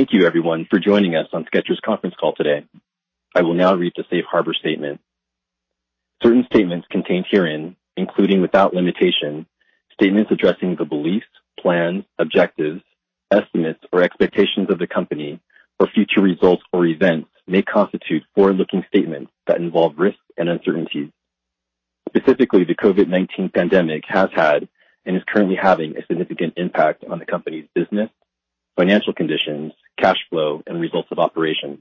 Thank you everyone for joining us on Skechers conference call today. I will now read the safe harbor statement. Certain statements contained herein, including without limitation, statements addressing the beliefs, plans, objectives, estimates, or expectations of the company or future results or events may constitute forward-looking statements that involve risks and uncertainties. Specifically, the COVID-19 pandemic has had and is currently having a significant impact on the company's business, financial conditions, cash flow, and results of operations.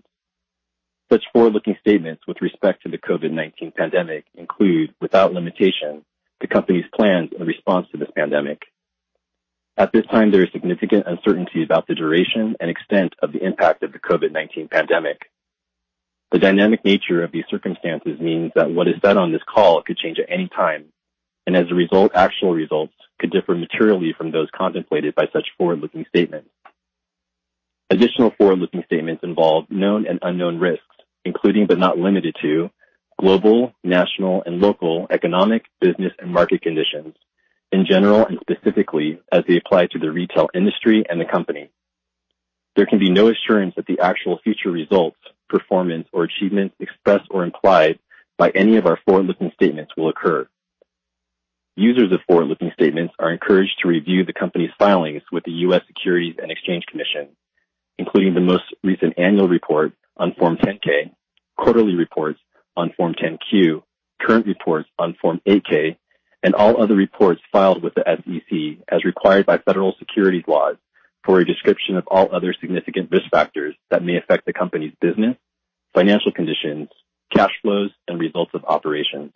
Such forward-looking statements with respect to the COVID-19 pandemic include, without limitation, the company's plans in response to this pandemic. At this time, there is significant uncertainty about the duration and extent of the impact of the COVID-19 pandemic. The dynamic nature of these circumstances means that what is said on this call could change at any time, and as a result, actual results could differ materially from those contemplated by such forward-looking statements. Additional forward-looking statements involve known and unknown risks, including but not limited to global, national, and local economic, business, and market conditions in general and specifically as they apply to the retail industry and the company. There can be no assurance that the actual future results, performance, or achievements expressed or implied by any of our forward-looking statements will occur. Users of forward-looking statements are encouraged to review the company's filings with the U.S. Securities and Exchange Commission, including the most recent annual report on Form 10-K, quarterly reports on Form 10-Q, current reports on Form 8-K, and all other reports filed with the SEC as required by federal securities laws for a description of all other significant risk factors that may affect the company's business, financial conditions, cash flows, and results of operations.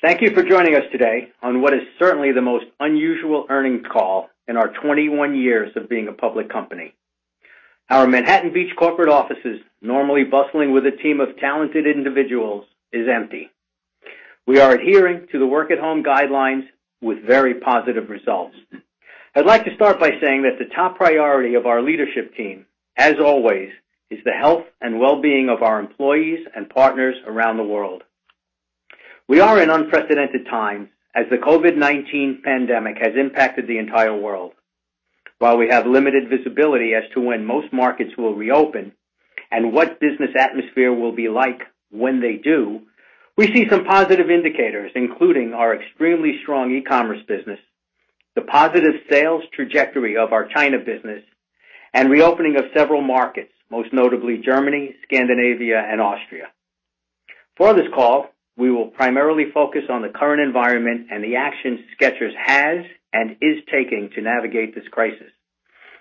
Thank you for joining us today on what is certainly the most unusual earnings call in our 21 years of being a public company. Our Manhattan Beach corporate offices, normally bustling with a team of talented individuals, is empty. We are adhering to the work-at-home guidelines with very positive results. I'd like to start by saying that the top priority of our leadership team, as always, is the health and wellbeing of our employees and partners around the world. We are in unprecedented times as the COVID-19 pandemic has impacted the entire world. While we have limited visibility as to when most markets will reopen and what business atmosphere will be like when they do, we see some positive indicators, including our extremely strong e-commerce business, the positive sales trajectory of our China business, and reopening of several markets, most notably Germany, Scandinavia, and Austria. For this call, we will primarily focus on the current environment and the actions Skechers has and is taking to navigate this crisis.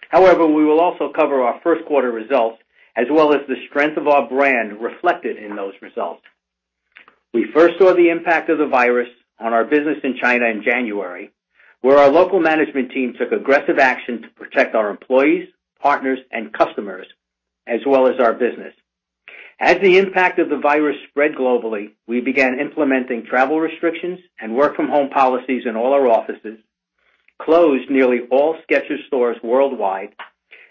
However, we will also cover our first quarter results, as well as the strength of our brand reflected in those results. We first saw the impact of the virus on our business in China in January, where our local management team took aggressive action to protect our employees, partners, and customers, as well as our business. As the impact of the virus spread globally, we began implementing travel restrictions and work-from-home policies in all our offices, closed nearly all Skechers stores worldwide,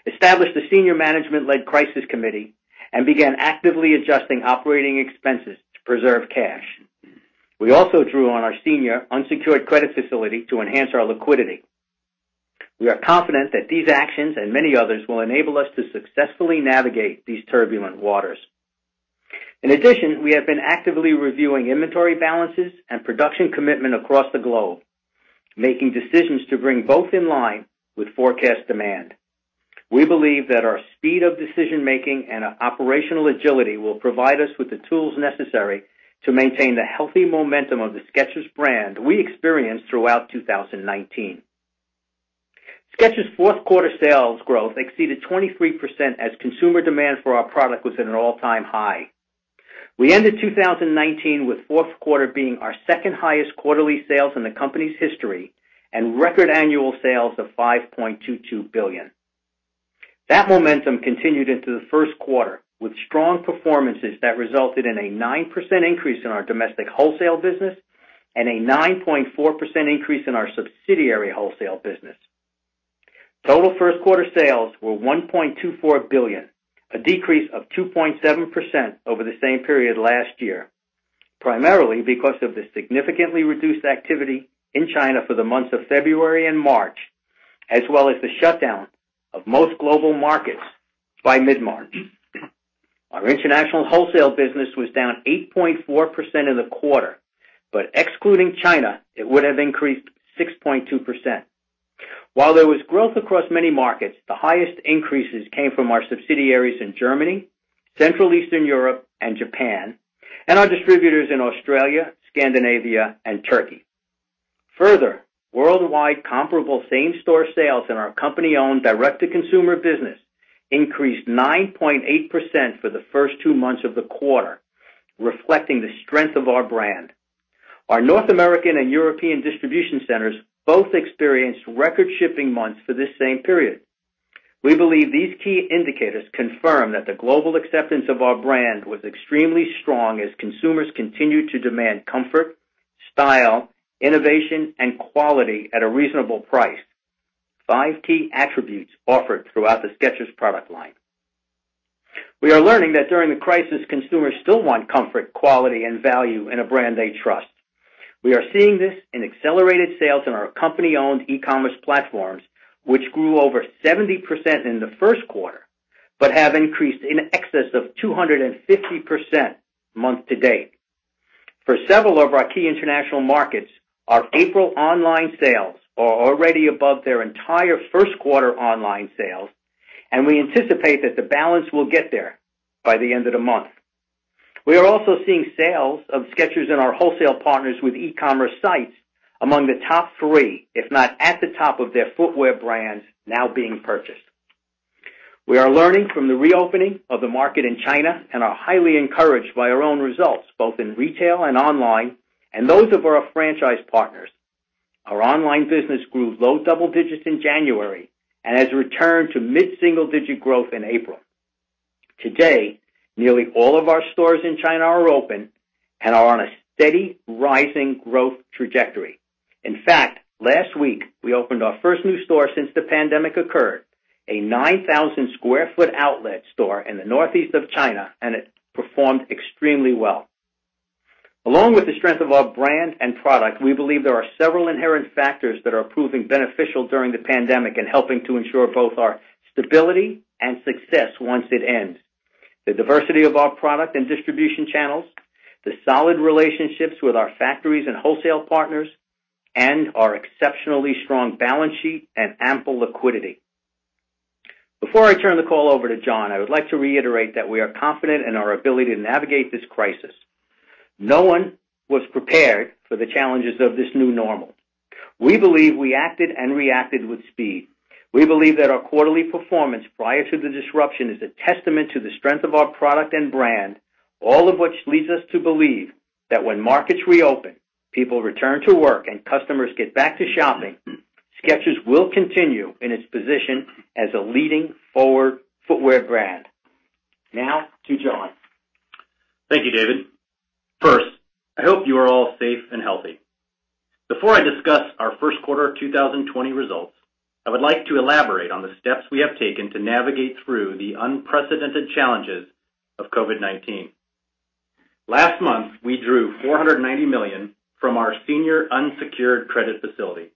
established a senior management-led crisis committee, and began actively adjusting operating expenses to preserve cash. We also drew on our senior unsecured credit facility to enhance our liquidity. We are confident that these actions and many others will enable us to successfully navigate these turbulent waters. We have been actively reviewing inventory balances and production commitment across the globe, making decisions to bring both in line with forecast demand. We believe that our speed of decision-making and our operational agility will provide us with the tools necessary to maintain the healthy momentum of the Skechers brand we experienced throughout 2019. Skechers' fourth quarter sales growth exceeded 23% as consumer demand for our product was at an all-time high. We ended 2019 with fourth quarter being our second highest quarterly sales in the company's history and record annual sales of $5.22 billion. That momentum continued into the first quarter with strong performances that resulted in a 9% increase in our domestic wholesale business and a 9.4% increase in our subsidiary wholesale business. Total first quarter sales were $1.24 billion, a decrease of 2.7% over the same period last year, primarily because of the significantly reduced activity in China for the months of February and March, as well as the shutdown of most global markets by mid-March. Our international wholesale business was down 8.4% in the quarter, but excluding China, it would have increased 6.2%. While there was growth across many markets, the highest increases came from our subsidiaries in Germany, Central Eastern Europe, and Japan, and our distributors in Australia, Scandinavia, and Turkey. Further, worldwide comparable same-store sales in our company-owned direct-to-consumer business increased 9.8% for the first two months of the quarter, reflecting the strength of our brand. Our North American and European distribution centers both experienced record shipping months for this same period. We believe these key indicators confirm that the global acceptance of our brand was extremely strong as consumers continued to demand comfort, style, innovation, and quality at a reasonable price, five key attributes offered throughout the Skechers product line. We are learning that during the crisis, consumers still want comfort, quality, and value in a brand they trust. We are seeing this in accelerated sales in our company-owned e-commerce platforms, which grew over 70% in the first quarter, but have increased in excess of 250% month-to-date. For several of our key international markets, our April online sales are already above their entire first quarter online sales, and we anticipate that the balance will get there by the end of the month. We are also seeing sales of Skechers in our wholesale partners with e-commerce sites among the top three, if not at the top of their footwear brands now being purchased. We are learning from the reopening of the market in China and are highly encouraged by our own results, both in retail and online, and those of our franchise partners. Our online business grew low double digits in January and has returned to mid-single-digit growth in April. Today, nearly all of our stores in China are open and are on a steady rising growth trajectory. In fact, last week we opened our first new store since the pandemic occurred, a 9,000 sq ft outlet store in the northeast of China, and it performed extremely well. Along with the strength of our brand and product, we believe there are several inherent factors that are proving beneficial during the pandemic and helping to ensure both our stability and success once it ends. The diversity of our product and distribution channels, the solid relationships with our factories and wholesale partners, and our exceptionally strong balance sheet and ample liquidity. Before I turn the call over to John, I would like to reiterate that we are confident in our ability to navigate this crisis. No one was prepared for the challenges of this new normal. We believe we acted and reacted with speed. We believe that our quarterly performance prior to the disruption is a testament to the strength of our product and brand, all of which leads us to believe that when markets reopen, people return to work, and customers get back to shopping, Skechers will continue in its position as a leading forward footwear brand. Now to John. Thank you, David. First, I hope you are all safe and healthy. Before I discuss our first quarter 2020 results, I would like to elaborate on the steps we have taken to navigate through the unprecedented challenges of COVID-19. Last month, we drew $490 million from our senior unsecured credit facility,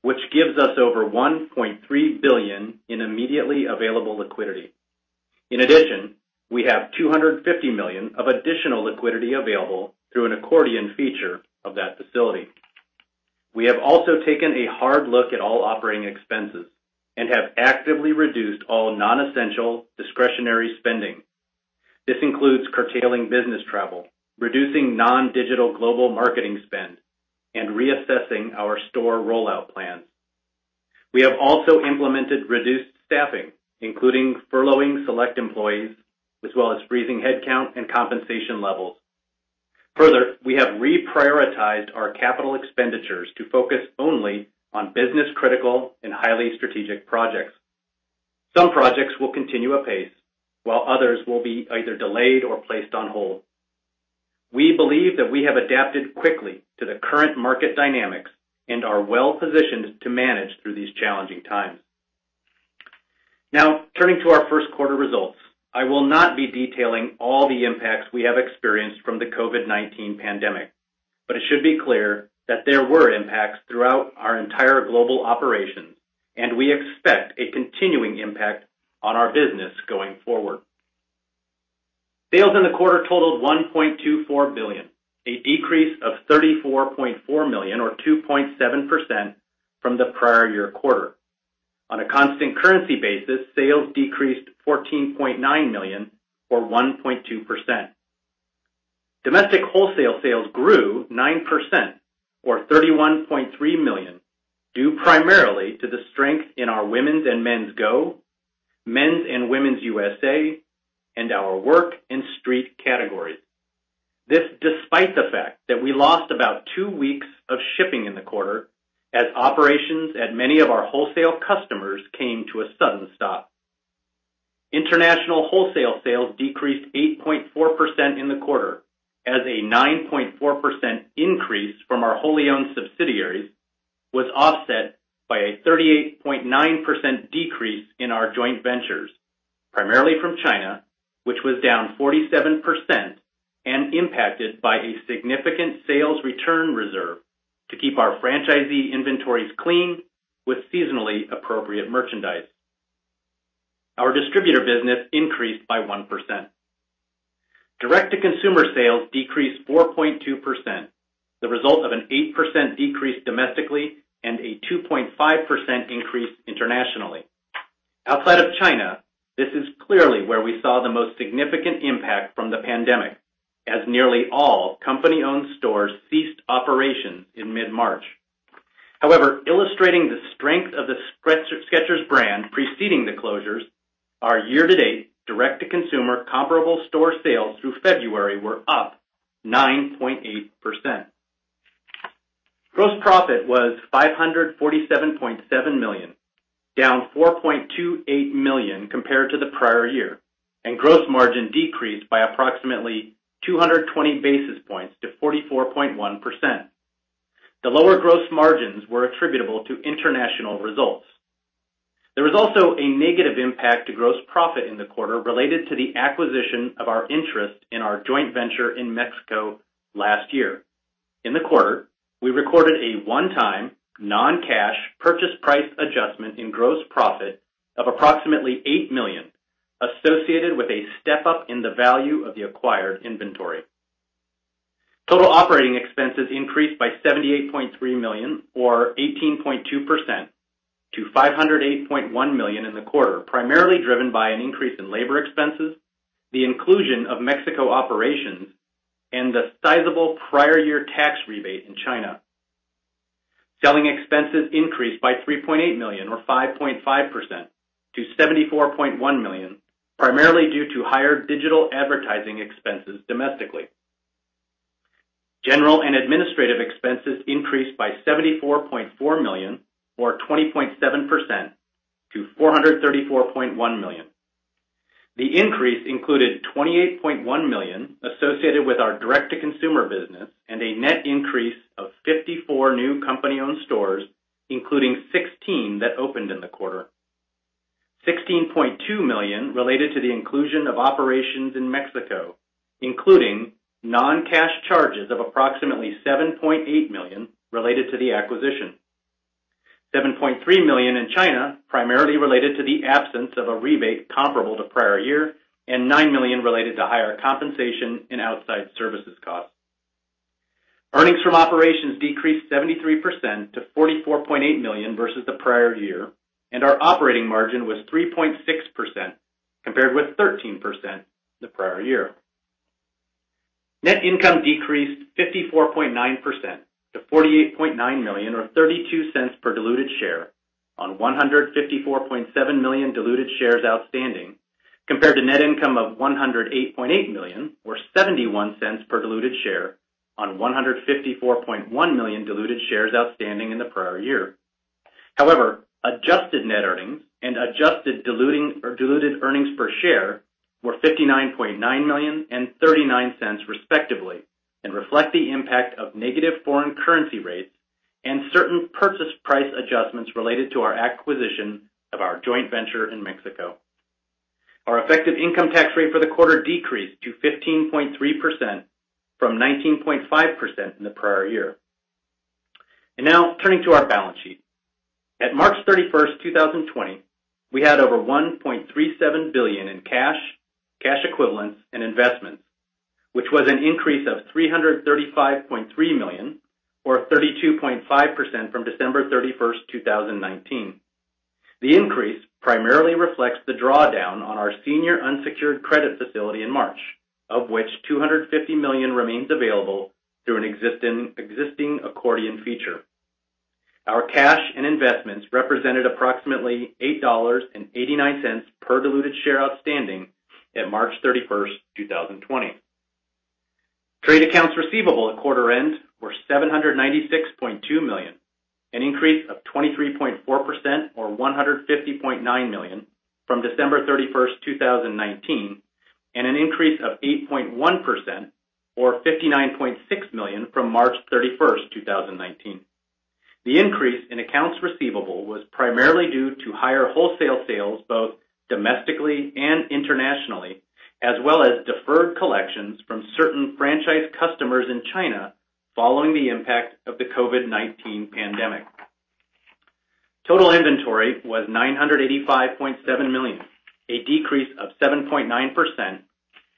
which gives us over $1.3 billion in immediately available liquidity. In addition, we have $250 million of additional liquidity available through an accordion feature of that facility. We have also taken a hard look at all operating expenses and have actively reduced all non-essential discretionary spending. This includes curtailing business travel, reducing non-digital global marketing spend, and reassessing our store rollout plans. We have also implemented reduced staffing, including furloughing select employees, as well as freezing headcount and compensation levels. Further, we have reprioritized our capital expenditures to focus only on business-critical and highly strategic projects. Some projects will continue apace, while others will be either delayed or placed on hold. We believe that we have adapted quickly to the current market dynamics and are well-positioned to manage through these challenging times. Now, turning to our first quarter results. I will not be detailing all the impacts we have experienced from the COVID-19 pandemic, but it should be clear that there were impacts throughout our entire global operations, and we expect a continuing impact on our business going forward. Sales in the quarter totaled $1.24 billion, a decrease of $34.4 million or 2.7% from the prior year quarter. On a constant currency basis, sales decreased $14.9 million or 1.2%. Domestic wholesale sales grew 9% or $31.3 million, due primarily to the strength in our women's and men's GO, men's and women's U.S.A., and our work and street categories. This despite the fact that we lost about two weeks of shipping in the quarter as operations at many of our wholesale customers came to a sudden stop. International wholesale sales decreased 8.4% in the quarter as a 9.4% increase from our wholly owned subsidiaries was offset by a 38.9% decrease in our joint ventures, primarily from China, which was down 47% and impacted by a significant sales return reserve to keep our franchisee inventories clean with seasonally appropriate merchandise. Our distributor business increased by 1%. Direct-to-consumer sales decreased 4.2%, the result of an 8% decrease domestically and a 2.5% increase internationally. Outside of China, this is clearly where we saw the most significant impact from the pandemic, as nearly all company-owned stores ceased operations in mid-March. However, illustrating the strength of the Skechers brand preceding the closures, our year-to-date direct-to-consumer comparable store sales through February were up 9.8%. Gross profit was $547.7 million, down $4.28 million compared to the prior year, and gross margin decreased by approximately 220 basis points to 44.1%. The lower gross margins were attributable to international results. There was also a negative impact to gross profit in the quarter related to the acquisition of our interest in our joint venture in Mexico last year. In the quarter, we recorded a one-time non-cash purchase price adjustment in gross profit of approximately $8 million, associated with a step-up in the value of the acquired inventory. Total operating expenses increased by $78.3 million or 18.2% to $508.1 million in the quarter, primarily driven by an increase in labor expenses, the inclusion of Mexico operations, and the sizable prior year tax rebate in China. Selling expenses increased by $3.8 million or 5.5% to $74.1 million, primarily due to higher digital advertising expenses domestically. General and administrative expenses increased by $74.4 million or 20.7% to $434.1 million. The increase included $28.1 million associated with our direct-to-consumer business and a net increase of 54 new company-owned stores, including 16 that opened in the quarter. $16.2 million related to the inclusion of operations in Mexico, including non-cash charges of approximately $7.8 million related to the acquisition. $7.3 million in China, primarily related to the absence of a rebate comparable to prior year, and $9 million related to higher compensation and outside services costs. Earnings from operations decreased 73% to $44.8 million versus the prior year, and our operating margin was 3.6% compared with 13% the prior year. Net income decreased 54.9% to $48.9 million or $0.32 per diluted share on 154.7 million diluted shares outstanding, compared to net income of $108.8 million or $0.71 per diluted share on 154.1 million diluted shares outstanding in the prior year. Adjusted net earnings and adjusted diluting or diluted earnings per share were $59.9 million and $0.39 respectively and reflect the impact of negative foreign currency rates and certain purchase price adjustments related to our acquisition of our joint venture in Mexico. Our effective income tax rate for the quarter decreased to 15.3% from 19.5% in the prior year. Now turning to our balance sheet. At March 31st, 2020, we had over $1.37 billion in cash and cash equivalents and investments, which was an increase of $335.3 million or 32.5% from December 31st, 2019. The increase primarily reflects the drawdown on our senior unsecured credit facility in March, of which $250 million remains available through an existing accordion feature. Our cash and investments represented approximately $8.89 per diluted share outstanding at March 31st, 2020. Trade accounts receivable at quarter end were $796.2 million, an increase of 23.4% or $150.9 million from December 31st, 2019, and an increase of 8.1% or $59.6 million from March 31st, 2019. The increase in accounts receivable was primarily due to higher wholesale sales both domestically and internationally, as well as deferred collections from certain franchise customers in China following the impact of the COVID-19 pandemic. Total inventory was $985.7 million, a decrease of 7.9%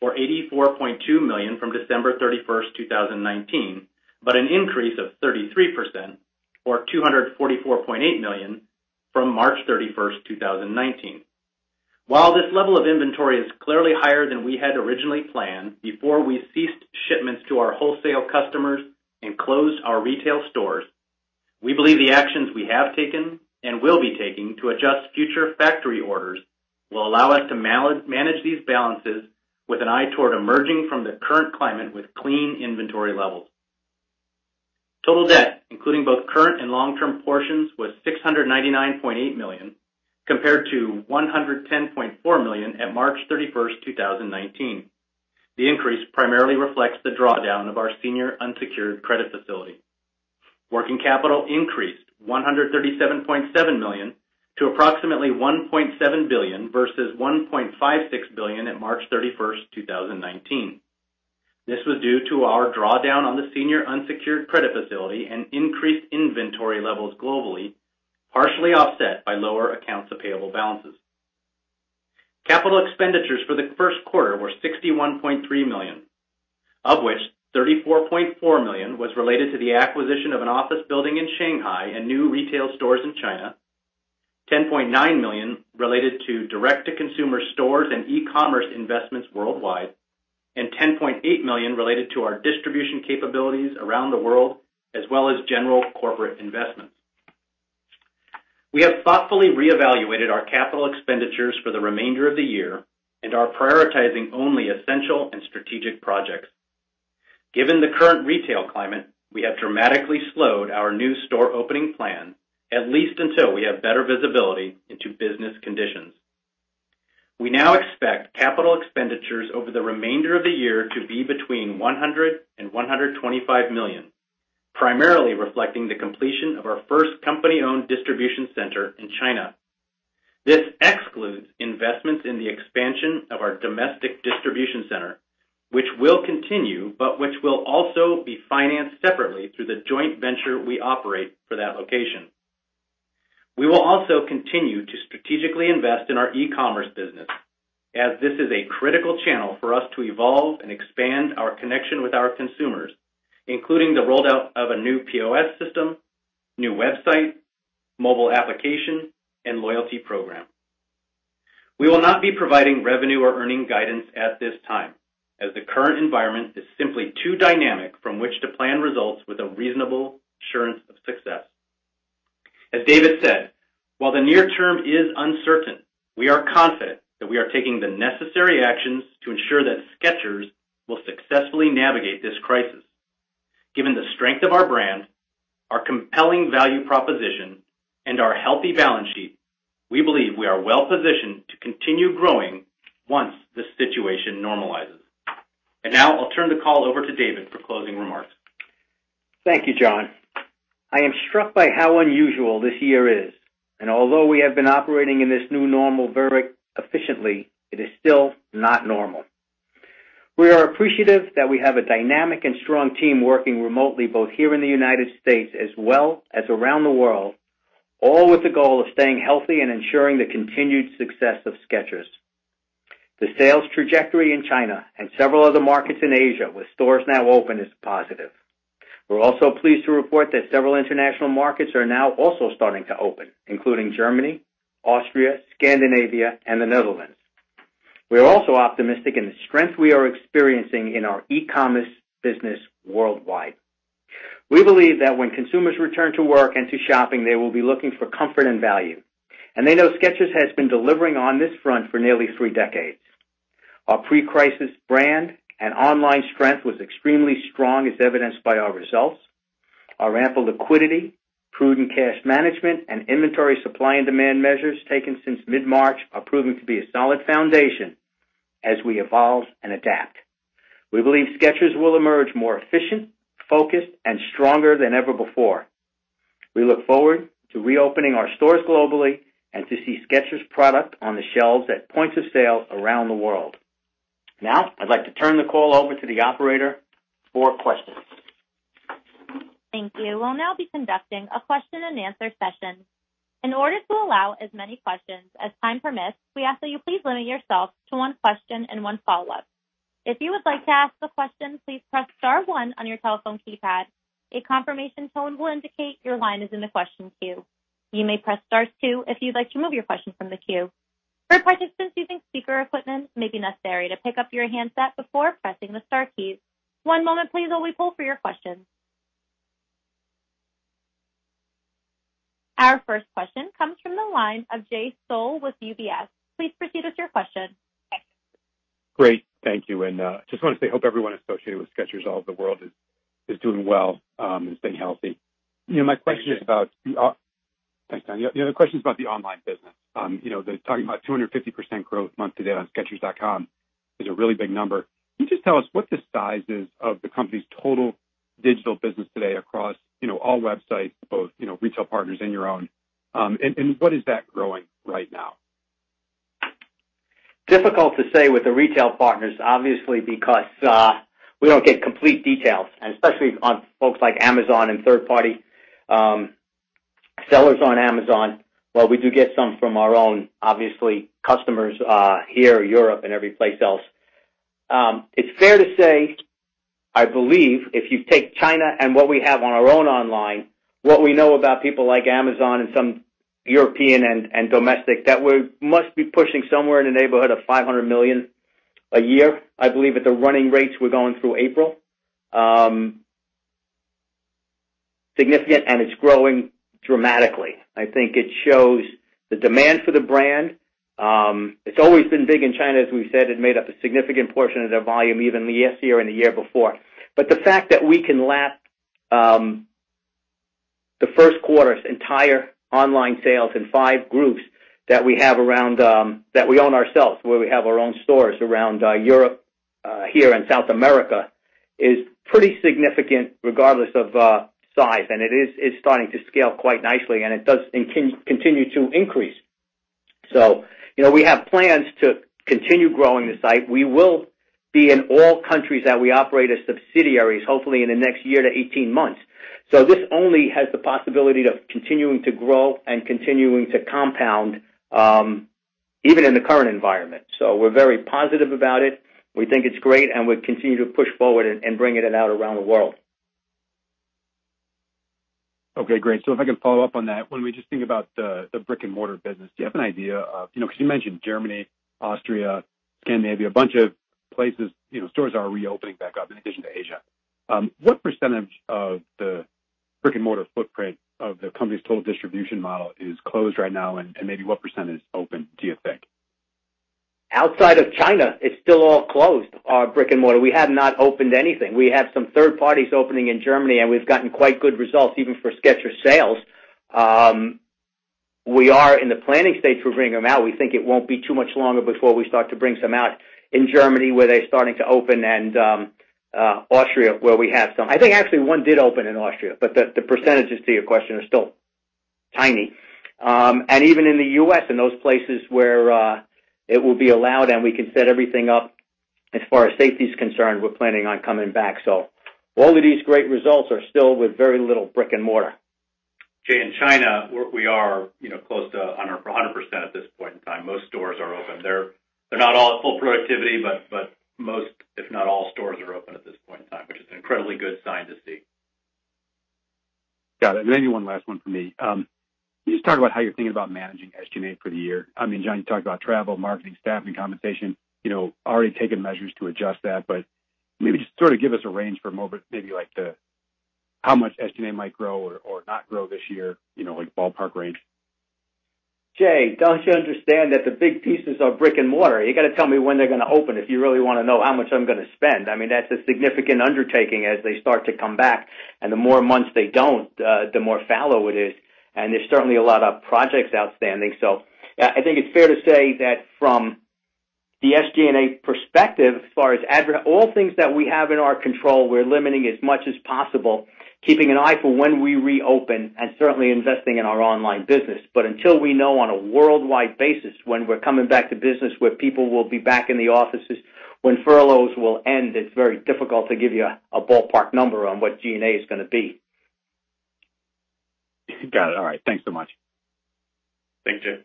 or $84.2 million from December 31st, 2019, but an increase of 33% or $244.8 million from March 31st, 2019. While this level of inventory is clearly higher than we had originally planned before we ceased shipments to our wholesale customers and closed our retail stores, we believe the actions we have taken and will be taking to adjust future factory orders will allow us to manage these balances with an eye toward emerging from the current climate with clean inventory levels. Total debt, including both current and long-term portions, was $699.8 million, compared to $110.4 million at March 31st, 2019. The increase primarily reflects the drawdown of our senior unsecured credit facility. Working capital increased $137.7 million to approximately $1.7 billion versus $1.56 billion at March 31st, 2019. This was due to our drawdown on the senior unsecured credit facility and increased inventory levels globally, partially offset by lower accounts payable balances. Capital expenditures for the first quarter were $61.3 million, of which $34.4 million was related to the acquisition of an office building in Shanghai and new retail stores in China. $10.9 million related to direct-to-consumer stores and e-commerce investments worldwide, and $10.8 million related to our distribution capabilities around the world, as well as general corporate investments. We have thoughtfully reevaluated our capital expenditures for the remainder of the year and are prioritizing only essential and strategic projects. Given the current retail climate, we have dramatically slowed our new store opening plan at least until we have better visibility into business conditions. We now expect capital expenditures over the remainder of the year to be between $100 million and $125 million, primarily reflecting the completion of our first company-owned distribution center in China. This excludes investments in the expansion of our domestic distribution center, which will continue, but which will also be financed separately through the joint venture we operate for that location. We will also continue to strategically invest in our e-commerce business as this is a critical channel for us to evolve and expand our connection with our consumers, including the rollout of a new POS system, new website, mobile application, and loyalty program. We will not be providing revenue or earnings guidance at this time, as the current environment is simply too dynamic from which to plan results with a reasonable assurance of success. As David said, while the near term is uncertain, we are confident that we are taking the necessary actions to ensure that Skechers will successfully navigate this crisis. Given the strength of our brand, our compelling value proposition, and our healthy balance sheet, we believe we are well positioned to continue growing once the situation normalizes. Now I'll turn the call over to David for closing remarks. Thank you, John. I am struck by how unusual this year is, and although we have been operating in this new normal very efficiently, it is still not normal. We are appreciative that we have a dynamic and strong team working remotely, both here in the United States as well as around the world, all with the goal of staying healthy and ensuring the continued success of Skechers. The sales trajectory in China and several other markets in Asia with stores now open is positive. We are also pleased to report that several international markets are now also starting to open, including Germany, Austria, Scandinavia, and the Netherlands. We are also optimistic in the strength we are experiencing in our e-commerce business worldwide. We believe that when consumers return to work and to shopping, they will be looking for comfort and value, and they know Skechers has been delivering on this front for nearly three decades. Our pre-crisis brand and online strength was extremely strong, as evidenced by our results. Our ample liquidity, prudent cash management, and inventory supply and demand measures taken since mid-March are proving to be a solid foundation as we evolve and adapt. We believe Skechers will emerge more efficient, focused, and stronger than ever before. We look forward to reopening our stores globally and to see Skechers product on the shelves at points of sale around the world. I'd like to turn the call over to the operator for questions. Thank you. We'll now be conducting a question and answer session. In order to allow as many questions as time permits, we ask that you please limit yourself to one question and one follow-up. If you would like to ask the question, please press star one on your telephone keypad. A confirmation tone will indicate your line is in the question queue. You may press star two if you'd like to remove your question from the queue. For participants using speaker equipment, it may be necessary to pick up your handset before pressing the star keys. One moment please while we poll for your questions. Our first question comes from the line of Jay Sole with UBS. Please proceed with your question. Great. Thank you. Just want to say, hope everyone associated with Skechers all over the world is doing well and staying healthy. My question is about the online business. Talking about 250% growth month-to-date on Skechers.com is a really big number. Can you just tell us what the size is of the company's total digital business today across all websites, both retail partners and your own? What is that growing right now? Difficult to say with the retail partners, obviously, because we don't get complete details, and especially on folks like Amazon and third-party sellers on Amazon. While we do get some from our own, obviously, customers here, Europe, and every place else. It's fair to say, I believe, if you take China and what we have on our own online, what we know about people like Amazon and some European and domestic, that we must be pushing somewhere in the neighborhood of $500 million a year, I believe, at the running rates we're going through April. Significant, it's growing dramatically. I think it shows the demand for the brand. It's always been big in China, as we've said. It made up a significant portion of their volume even last year and the year before. The fact that we can lap the first quarter's entire online sales in five groups that we own ourselves, where we have our own stores around Europe, here, and South America, is pretty significant regardless of size. It is starting to scale quite nicely, and it does continue to increase. We have plans to continue growing the site. We will be in all countries that we operate as subsidiaries, hopefully in the next year to 18 months. This only has the possibility of continuing to grow and continuing to compound, even in the current environment. We're very positive about it. We think it's great, and we continue to push forward and bring it out around the world. Okay, great. If I can follow up on that, when we just think about the brick-and-mortar business, because you mentioned Germany, Austria, Scandinavia, a bunch of places, stores are reopening back up in addition to Asia. What percentage of the brick-and-mortar footprint of the company's total distribution model is closed right now, and maybe what percentage is open, do you think? Outside of China, it's still all closed, our brick-and-mortar. We have not opened anything. We have some third parties opening in Germany, and we've gotten quite good results, even for Skechers sales. We are in the planning stage for bringing them out. We think it won't be too much longer before we start to bring some out in Germany, where they're starting to open, and Austria, where we have some. I think actually one did open in Austria, but the percentages to your question are still tiny. Even in the U.S. and those places where it will be allowed and we can set everything up as far as safety is concerned, we're planning on coming back. All of these great results are still with very little brick-and-mortar. Jay, in China, we are close to 100% at this point in time. Most stores are open. They're not all at full productivity, but most, if not all stores are open at this point in time, which is an incredibly good sign to see. Got it. Maybe one last one from me. Can you just talk about how you're thinking about managing SG&A for the year? I mean, John, you talked about travel, marketing, staffing, compensation, already taking measures to adjust that, but maybe just sort of give us a range for a moment, maybe like how much SG&A might grow or not grow this year, like ballpark range. Jay, don't you understand that the big pieces are brick and mortar? You got to tell me when they're going to open if you really want to know how much I'm going to spend. I mean, that's a significant undertaking as they start to come back and the more months they don't, the more fallow it is. There's certainly a lot of projects outstanding. I think it's fair to say that from the SG&A perspective, All things that we have in our control, we're limiting as much as possible, keeping an eye for when we reopen and certainly investing in our online business. Until we know on a worldwide basis when we're coming back to business, where people will be back in the offices, when furloughs will end, it's very difficult to give you a ballpark number on what G&A is going to be. Got it. All right. Thanks so much. Thank you.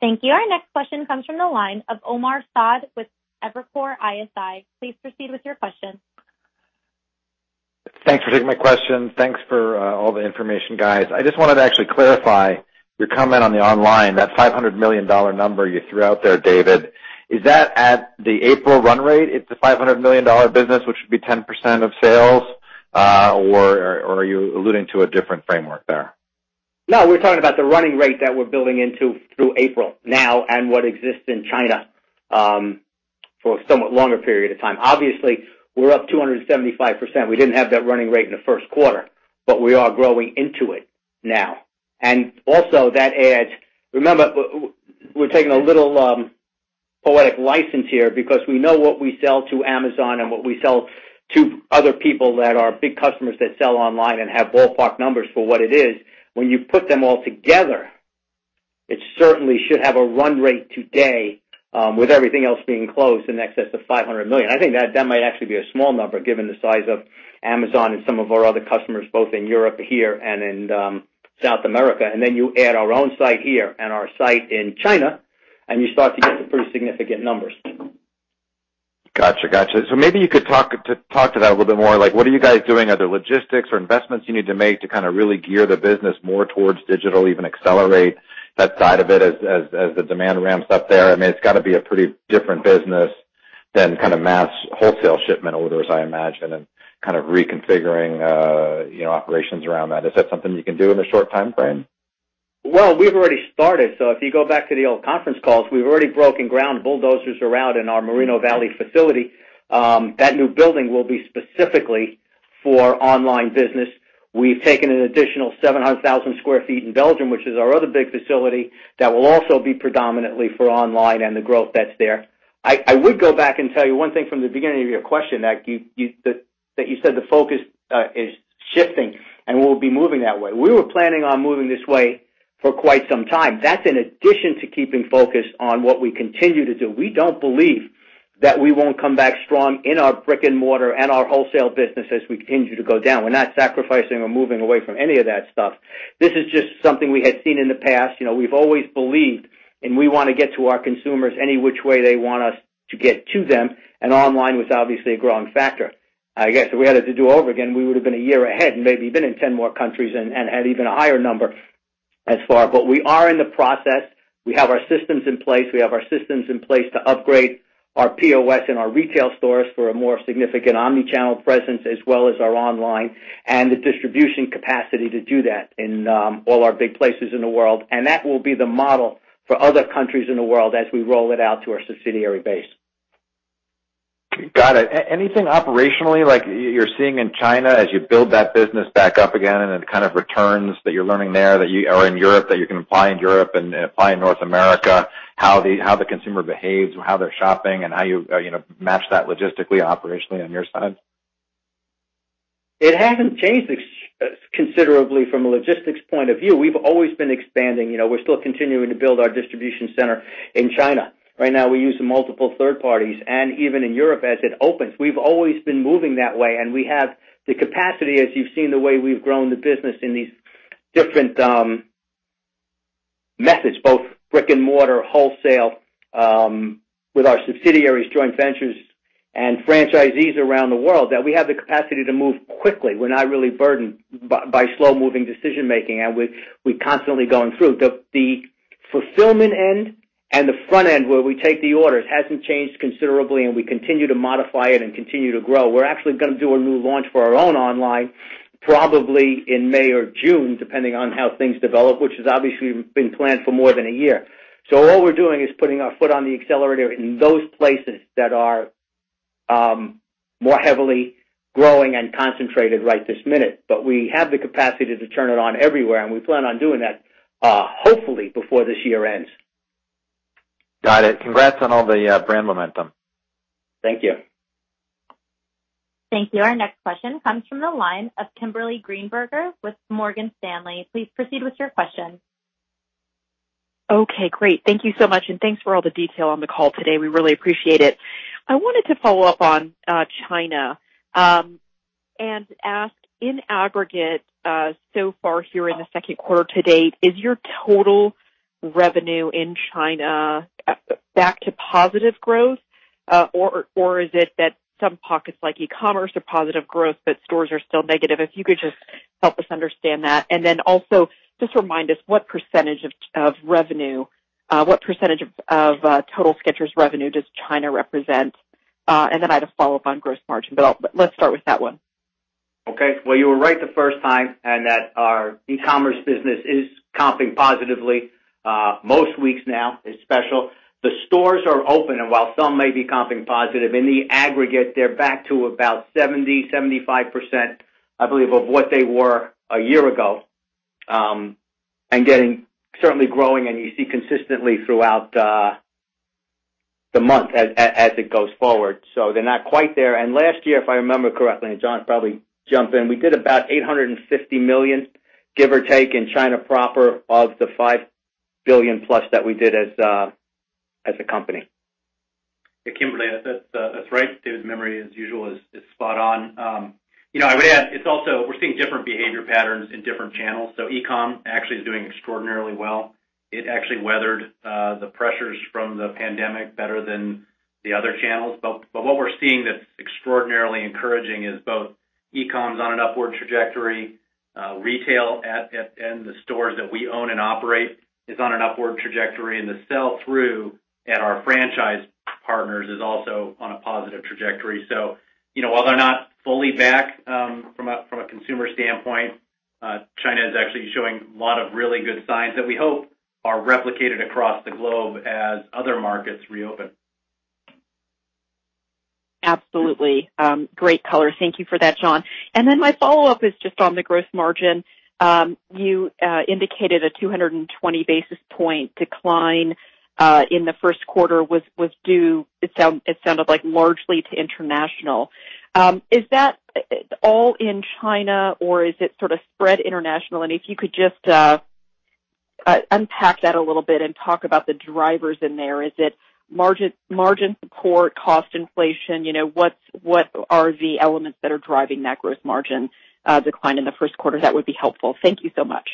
Thank you. Our next question comes from the line of Omar Saad with Evercore ISI. Please proceed with your question. Thanks for taking my question. Thanks for all the information, guys. I just wanted to actually clarify your comment on the online, that $500 million number you threw out there, David. Is that at the April run rate, it's a $500 million business, which would be 10% of sales? Are you alluding to a different framework there? No, we're talking about the running rate that we're building into through April now and what exists in China for a somewhat longer period of time. Obviously, we're up 275%. We didn't have that running rate in the first quarter, but we are growing into it now. Remember, we're taking a little poetic license here because we know what we sell to Amazon and what we sell to other people that are big customers that sell online and have ballpark numbers for what it is. When you put them all together, it certainly should have a run rate today with everything else being closed in excess of $500 million. I think that might actually be a small number given the size of Amazon and some of our other customers, both in Europe, here, and in South America. You add our own site here and our site in China, and you start to get some pretty significant numbers. Got you. Maybe you could talk to that a little bit more, like what are you guys doing? Are there logistics or investments you need to make to kind of really gear the business more towards digital, even accelerate that side of it as the demand ramps up there? I mean, it's got to be a pretty different business than kind of mass wholesale shipment orders, I imagine, and kind of reconfiguring operations around that. Is that something you can do in a short timeframe? Well, we've already started. If you go back to the old conference calls, we've already broken ground, bulldozers are out in our Moreno Valley facility. That new building will be specifically for online business. We've taken an additional 700,000 square ft in Belgium, which is our other big facility that will also be predominantly for online and the growth that's there. I would go back and tell you one thing from the beginning of your question, that you said the focus is shifting and we'll be moving that way. We were planning on moving this way for quite some time. That's in addition to keeping focused on what we continue to do. We don't believe that we won't come back strong in our brick and mortar and our wholesale business as we continue to go down. We're not sacrificing or moving away from any of that stuff. This is just something we had seen in the past. We've always believed, and we want to get to our consumers any which way they want us to get to them, and online was obviously a growing factor. I guess if we had it to do over again, we would have been a year ahead and maybe been in 10 more countries and had even a higher number as far, but we are in the process. We have our systems in place. We have our systems in place to upgrade our POS and our retail stores for a more significant omni-channel presence, as well as our online and the distribution capacity to do that in all our big places in the world. That will be the model for other countries in the world as we roll it out to our subsidiary base. Got it. Anything operationally like you're seeing in China as you build that business back up again and the kind of returns that you're learning there or in Europe that you can apply in Europe and apply in North America, how the consumer behaves, how they're shopping, and how you match that logistically, operationally on your side? It hasn't changed considerably from a logistics point of view. We've always been expanding. We're still continuing to build our distribution center in China. Right now, we use multiple third parties, and even in Europe as it opens. We've always been moving that way, and we have the capacity, as you've seen the way we've grown the business in these different methods, both brick and mortar, wholesale with our subsidiaries, joint ventures, and franchisees around the world, that we have the capacity to move quickly. We're not really burdened by slow-moving decision making. The fulfillment end and the front end where we take the orders hasn't changed considerably, and we continue to modify it and continue to grow. We're actually going to do a new launch for our own online, probably in May or June, depending on how things develop, which has obviously been planned for more than a year. All we're doing is putting our foot on the accelerator in those places that are more heavily growing and concentrated right this minute. We have the capacity to turn it on everywhere, and we plan on doing that, hopefully, before this year ends. Got it. Congrats on all the brand momentum. Thank you. Thank you. Our next question comes from the line of Kimberly Greenberger with Morgan Stanley. Please proceed with your question. Okay. Great. Thank you so much, and thanks for all the detail on the call today. We really appreciate it. I wanted to follow up on China, and ask in aggregate, so far here in the second quarter to date, is your total revenue in China back to positive growth? Is it that some pockets like e-commerce are positive growth, but stores are still negative? If you could just help us understand that. Also just remind us what percentage of total Skechers revenue does China represent? I had a follow-up on gross margin, but let's start with that one. Okay. Well, you were right the first time in that our e-commerce business is comping positively most weeks now is special. The stores are open, and while some may be comping positive, in the aggregate, they're back to about 70%-75%, I believe, of what they were a year ago, and getting certainly growing, and you see consistently throughout the month as it goes forward. They're not quite there. Last year, if I remember correctly, and John probably jump in, we did about $850 million, give or take, in China proper of the $5 billion-plus that we did as a company. Yeah, Kimberly, that's right. David's memory, as usual, is spot on. I would add, we're seeing different behavior patterns in different channels. E-com actually is doing extraordinarily well. It actually weathered the pressures from the pandemic better than the other channels. What we're seeing that's extraordinarily encouraging is both e-com's on an upward trajectory, retail and the stores that we own and operate is on an upward trajectory, and the sell-through at our franchise partners is also on a positive trajectory. While they're not fully back from a consumer standpoint, China is actually showing a lot of really good signs that we hope are replicated across the globe as other markets reopen. Absolutely. Great colors. Thank you for that, John. My follow-up is just on the gross margin. You indicated a 220 basis point decline in the first quarter was due, it sounded like largely to international. Is that all in China, or is it sort of spread international? If you could just unpack that a little bit and talk about the drivers in there. Is it margin support, cost inflation? What are the elements that are driving that gross margin decline in the first quarter? That would be helpful. Thank you so much.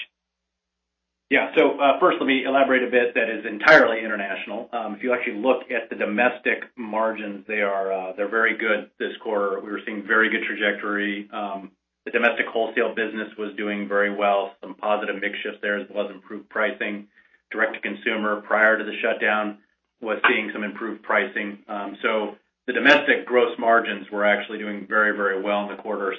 First, let me elaborate a bit. That is entirely international. If you actually look at the domestic margins, they're very good this quarter. We were seeing very good trajectory. The domestic wholesale business was doing very well. Some positive mix shifts there, as well as improved pricing. Direct-to-consumer prior to the shutdown was seeing some improved pricing. The domestic gross margins were actually doing very well in the quarter.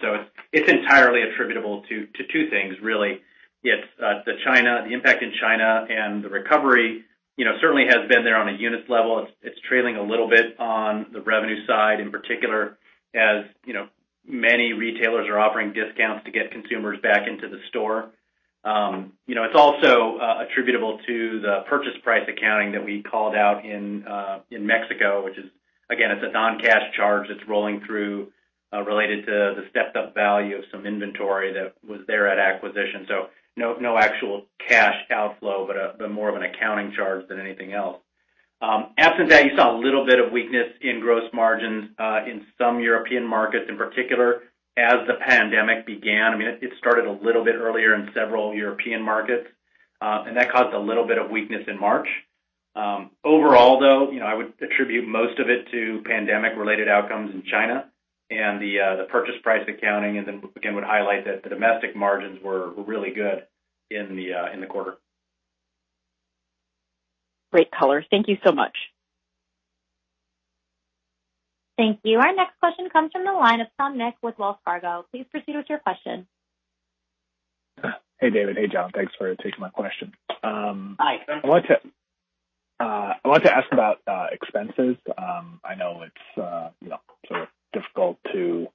It's entirely attributable to two things, really. It's the impact in China and the recovery certainly has been there on a unit level. It's trailing a little bit on the revenue side, in particular, as many retailers are offering discounts to get consumers back into the store. It's also attributable to the purchase price accounting that we called out in Mexico, which is, again, it's a non-cash charge that's rolling through related to the stepped-up value of some inventory that was there at acquisition. No actual cash outflow, but more of an accounting charge than anything else. Absent that, you saw a little bit of weakness in gross margins in some European markets in particular as the pandemic began. I mean, it started a little bit earlier in several European markets, and that caused a little bit of weakness in March. Overall, though, I would attribute most of it to pandemic-related outcomes in China and the purchase price accounting, and then again, would highlight that the domestic margins were really good in the quarter. Great colors. Thank you so much. Thank you. Our next question comes from the line of Tom Nikic with Wells Fargo. Please proceed with your question. Hey, David. Hey, John. Thanks for taking my question. Hi, Tom. I wanted to ask about expenses. I know it's sort of difficult to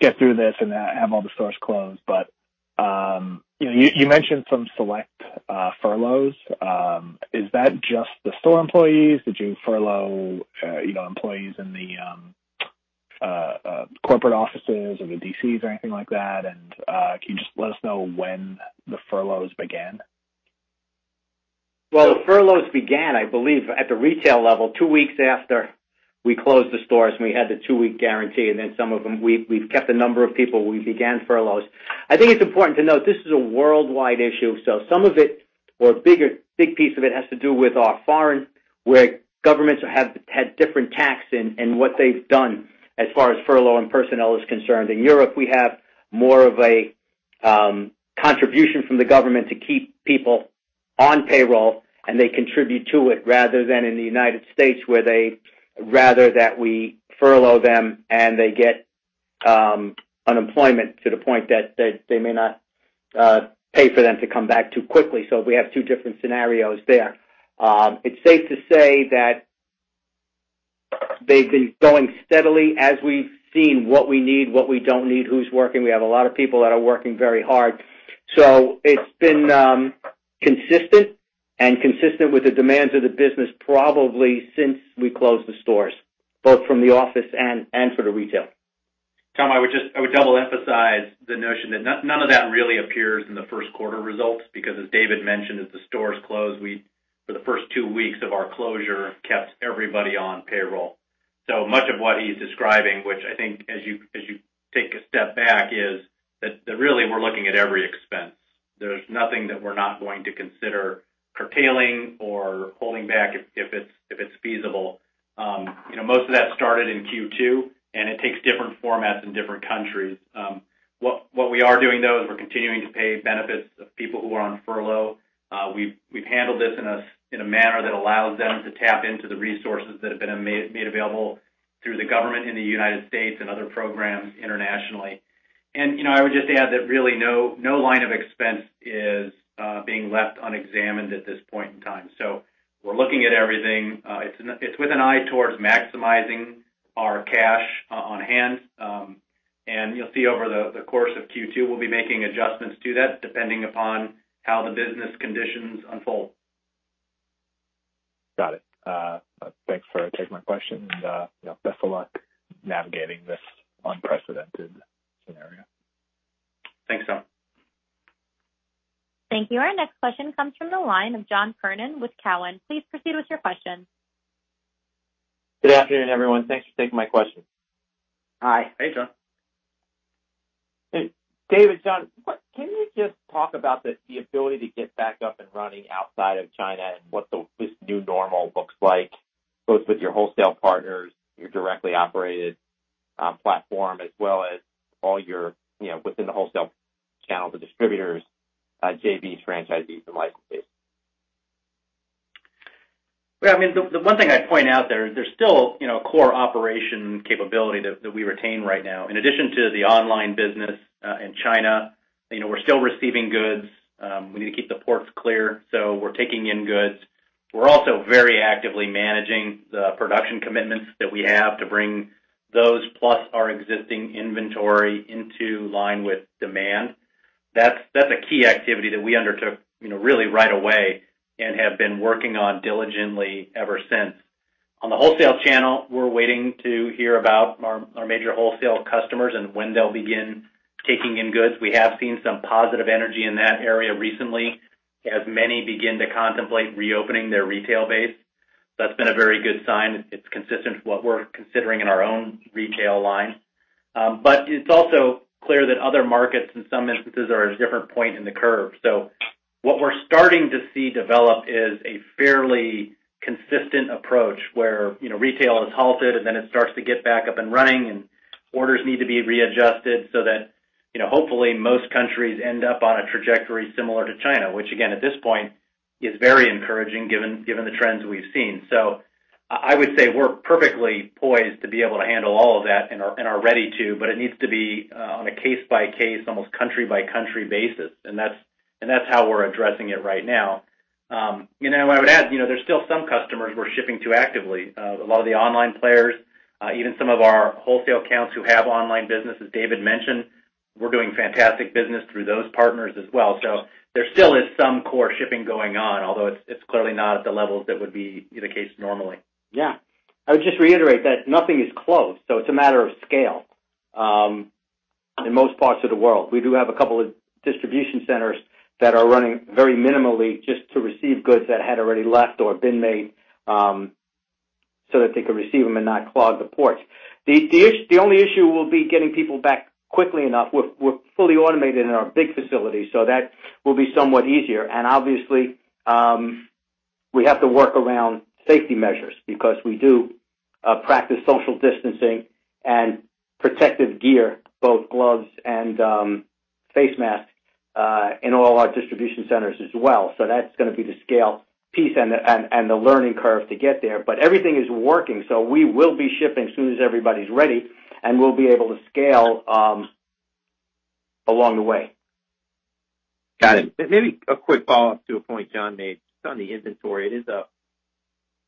get through this and have all the stores closed, but you mentioned some select furloughs. Is that just the store employees? Did you furlough employees in the corporate offices or the DCs or anything like that? Can you just let us know when the furloughs began? The furloughs began, I believe, at the retail level two weeks after we closed the stores, and we had the two-week guarantee, and then some of them, we've kept a number of people, we began furloughs. I think it's important to note this is a worldwide issue, so some of it, or a big piece of it has to do with our foreign, where governments have had different tacks in what they've done as far as furlough and personnel is concerned. In Europe, we have more of a contribution from the government to keep people on payroll, and they contribute to it, rather than in the United States, where they rather that we furlough them, and they get unemployment to the point that they may not pay for them to come back too quickly. We have two different scenarios there. It's safe to say that they've been going steadily as we've seen what we need, what we don't need, who's working. We have a lot of people that are working very hard. It's been consistent and consistent with the demands of the business, probably since we closed the stores, both from the office and for the retail. Tom, I would double emphasize the notion that none of that really appears in the first quarter results, because as David mentioned, as the stores closed, for the first two weeks of our closure, kept everybody on payroll. Much of what he's describing, which I think as you take a step back, is that really we're looking at every expense. There's nothing that we're not going to consider curtailing or holding back if it's feasible. Most of that started in Q2, and it takes different formats in different countries. What we are doing, though, is we're continuing to pay benefits of people who are on furlough. We've handled this in a manner that allows them to tap into the resources that have been made available through the government in the United States and other programs internationally. I would just add that really no line of expense is being left unexamined at this point in time. We're looking at everything. It's with an eye towards maximizing our cash on hand. You'll see over the course of Q2, we'll be making adjustments to that depending upon how the business conditions unfold. Got it. Thanks for taking my question, and best of luck navigating this unprecedented scenario. Thanks, Tom. Thank you. Our next question comes from the line of John Kernan with Cowen. Please proceed with your question. Good afternoon, everyone. Thanks for taking my question. Hi. Hey, John. Hey, David, John, can you just talk about the ability to get back up and running outside of China and what this new normal looks like, both with your wholesale partners, your directly operated platform, as well as within the wholesale channel, the distributors, JVs, franchisees, and licensees? Well, the one thing I'd point out there is there's still core operation capability that we retain right now. In addition to the online business in China, we're still receiving goods. We need to keep the ports clear, so we're taking in goods. We're also very actively managing the production commitments that we have to bring those, plus our existing inventory, into line with demand. That's a key activity that we undertook really right away and have been working on diligently ever since. On the wholesale channel, we're waiting to hear about our major wholesale customers and when they'll begin taking in goods. We have seen some positive energy in that area recently as many begin to contemplate reopening their retail base. That's been a very good sign. It's consistent with what we're considering in our own retail line. It's also clear that other markets, in some instances, are at a different point in the curve. What we're starting to see develop is a fairly consistent approach where retail is halted, and then it starts to get back up and running, and orders need to be readjusted so that hopefully most countries end up on a trajectory similar to China, which again, at this point, is very encouraging given the trends we've seen. I would say we're perfectly poised to be able to handle all of that and are ready to, but it needs to be on a case-by-case, almost country-by-country basis. That's how we're addressing it right now. I would add, there's still some customers we're shipping to actively. A lot of the online players, even some of our wholesale accounts who have online business, as David mentioned, we're doing fantastic business through those partners as well. There still is some core shipping going on, although it's clearly not at the levels that would be the case normally. Yeah. I would just reiterate that nothing is closed, so it's a matter of scale in most parts of the world. We do have a couple of distribution centers that are running very minimally just to receive goods that had already left or been made, so that they could receive them and not clog the ports. The only issue will be getting people back quickly enough. We're fully automated in our big facility, so that will be somewhat easier. Obviously, we have to work around safety measures because we do practice social distancing and protective gear, both gloves and face masks, in all our distribution centers as well. That's going to be the scale piece and the learning curve to get there. Everything is working, so we will be shipping as soon as everybody's ready, and we'll be able to scale along the way. Got it. Maybe a quick follow-up to a point John made. Just on the inventory, it is up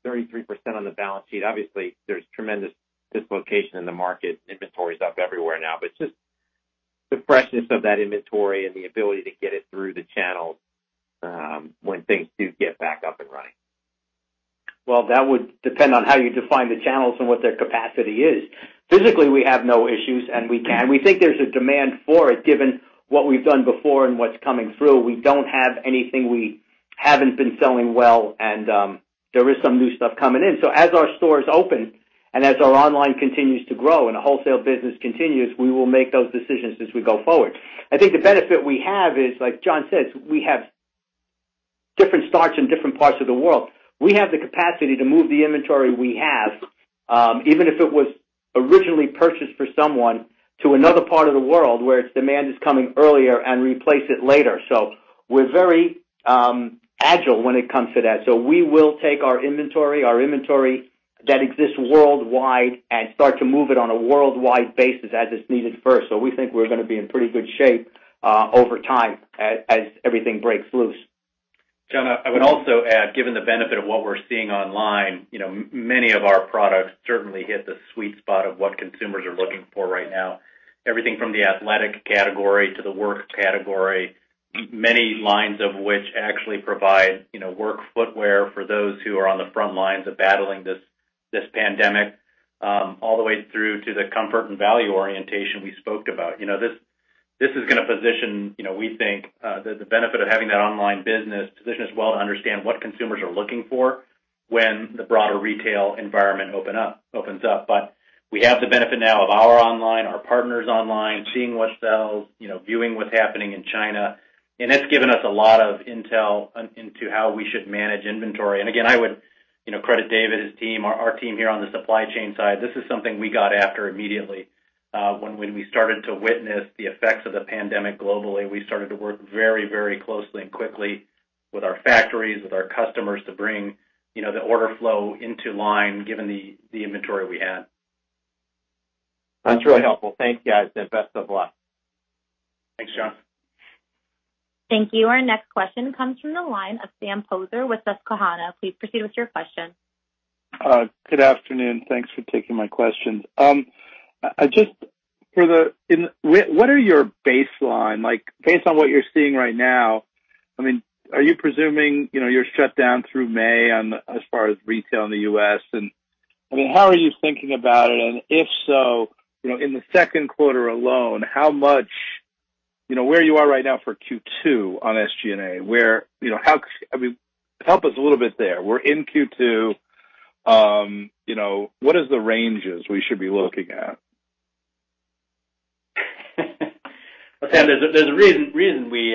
33% on the balance sheet. Obviously, there's tremendous dislocation in the market. Inventory is up everywhere now. Just the freshness of that inventory and the ability to get it through the channels when things do get back up and running. Well, that would depend on how you define the channels and what their capacity is. Physically, we have no issues, and we think there's a demand for it, given what we've done before and what's coming through. We don't have anything we haven't been selling well, and there is some new stuff coming in. As our stores open and as our online continues to grow and the wholesale business continues, we will make those decisions as we go forward. I think the benefit we have is, like John says, we have different starts in different parts of the world. We have the capacity to move the inventory we have, even if it was originally purchased for someone to another part of the world where its demand is coming earlier and replace it later. We're very agile when it comes to that. We will take our inventory that exists worldwide and start to move it on a worldwide basis as it's needed first. We think we're going to be in pretty good shape over time, as everything breaks loose. John, I would also add, given the benefit of what we're seeing online, many of our products certainly hit the sweet spot of what consumers are looking for right now. Everything from the athletic category to the work category, many lines of which actually provide work footwear for those who are on the front lines of battling this pandemic, all the way through to the comfort and value orientation we spoke about. This is going to position, we think, the benefit of having that online business position us well to understand what consumers are looking for when the broader retail environment opens up. We have the benefit now of our online, our partners online, seeing what sells, viewing what's happening in China, and it's given us a lot of intel into how we should manage inventory. Again, I would credit David, his team, our team here on the supply chain side. This is something we got after immediately. When we started to witness the effects of the pandemic globally, we started to work very closely and quickly with our factories, with our customers to bring the order flow into line, given the inventory we had. That's really helpful. Thank you, guys, and best of luck. Thanks, John. Thank you. Our next question comes from the line of Sam Poser with Susquehanna. Please proceed with your question. Good afternoon. Thanks for taking my questions. What are your baseline, based on what you're seeing right now, are you presuming you're shut down through May as far as retail in the U.S.? How are you thinking about it? If so, in the second quarter alone, where you are right now for Q2 on SG&A? Help us a little bit there. We're in Q2, what is the ranges we should be looking at? Well, Sam, there's a reason we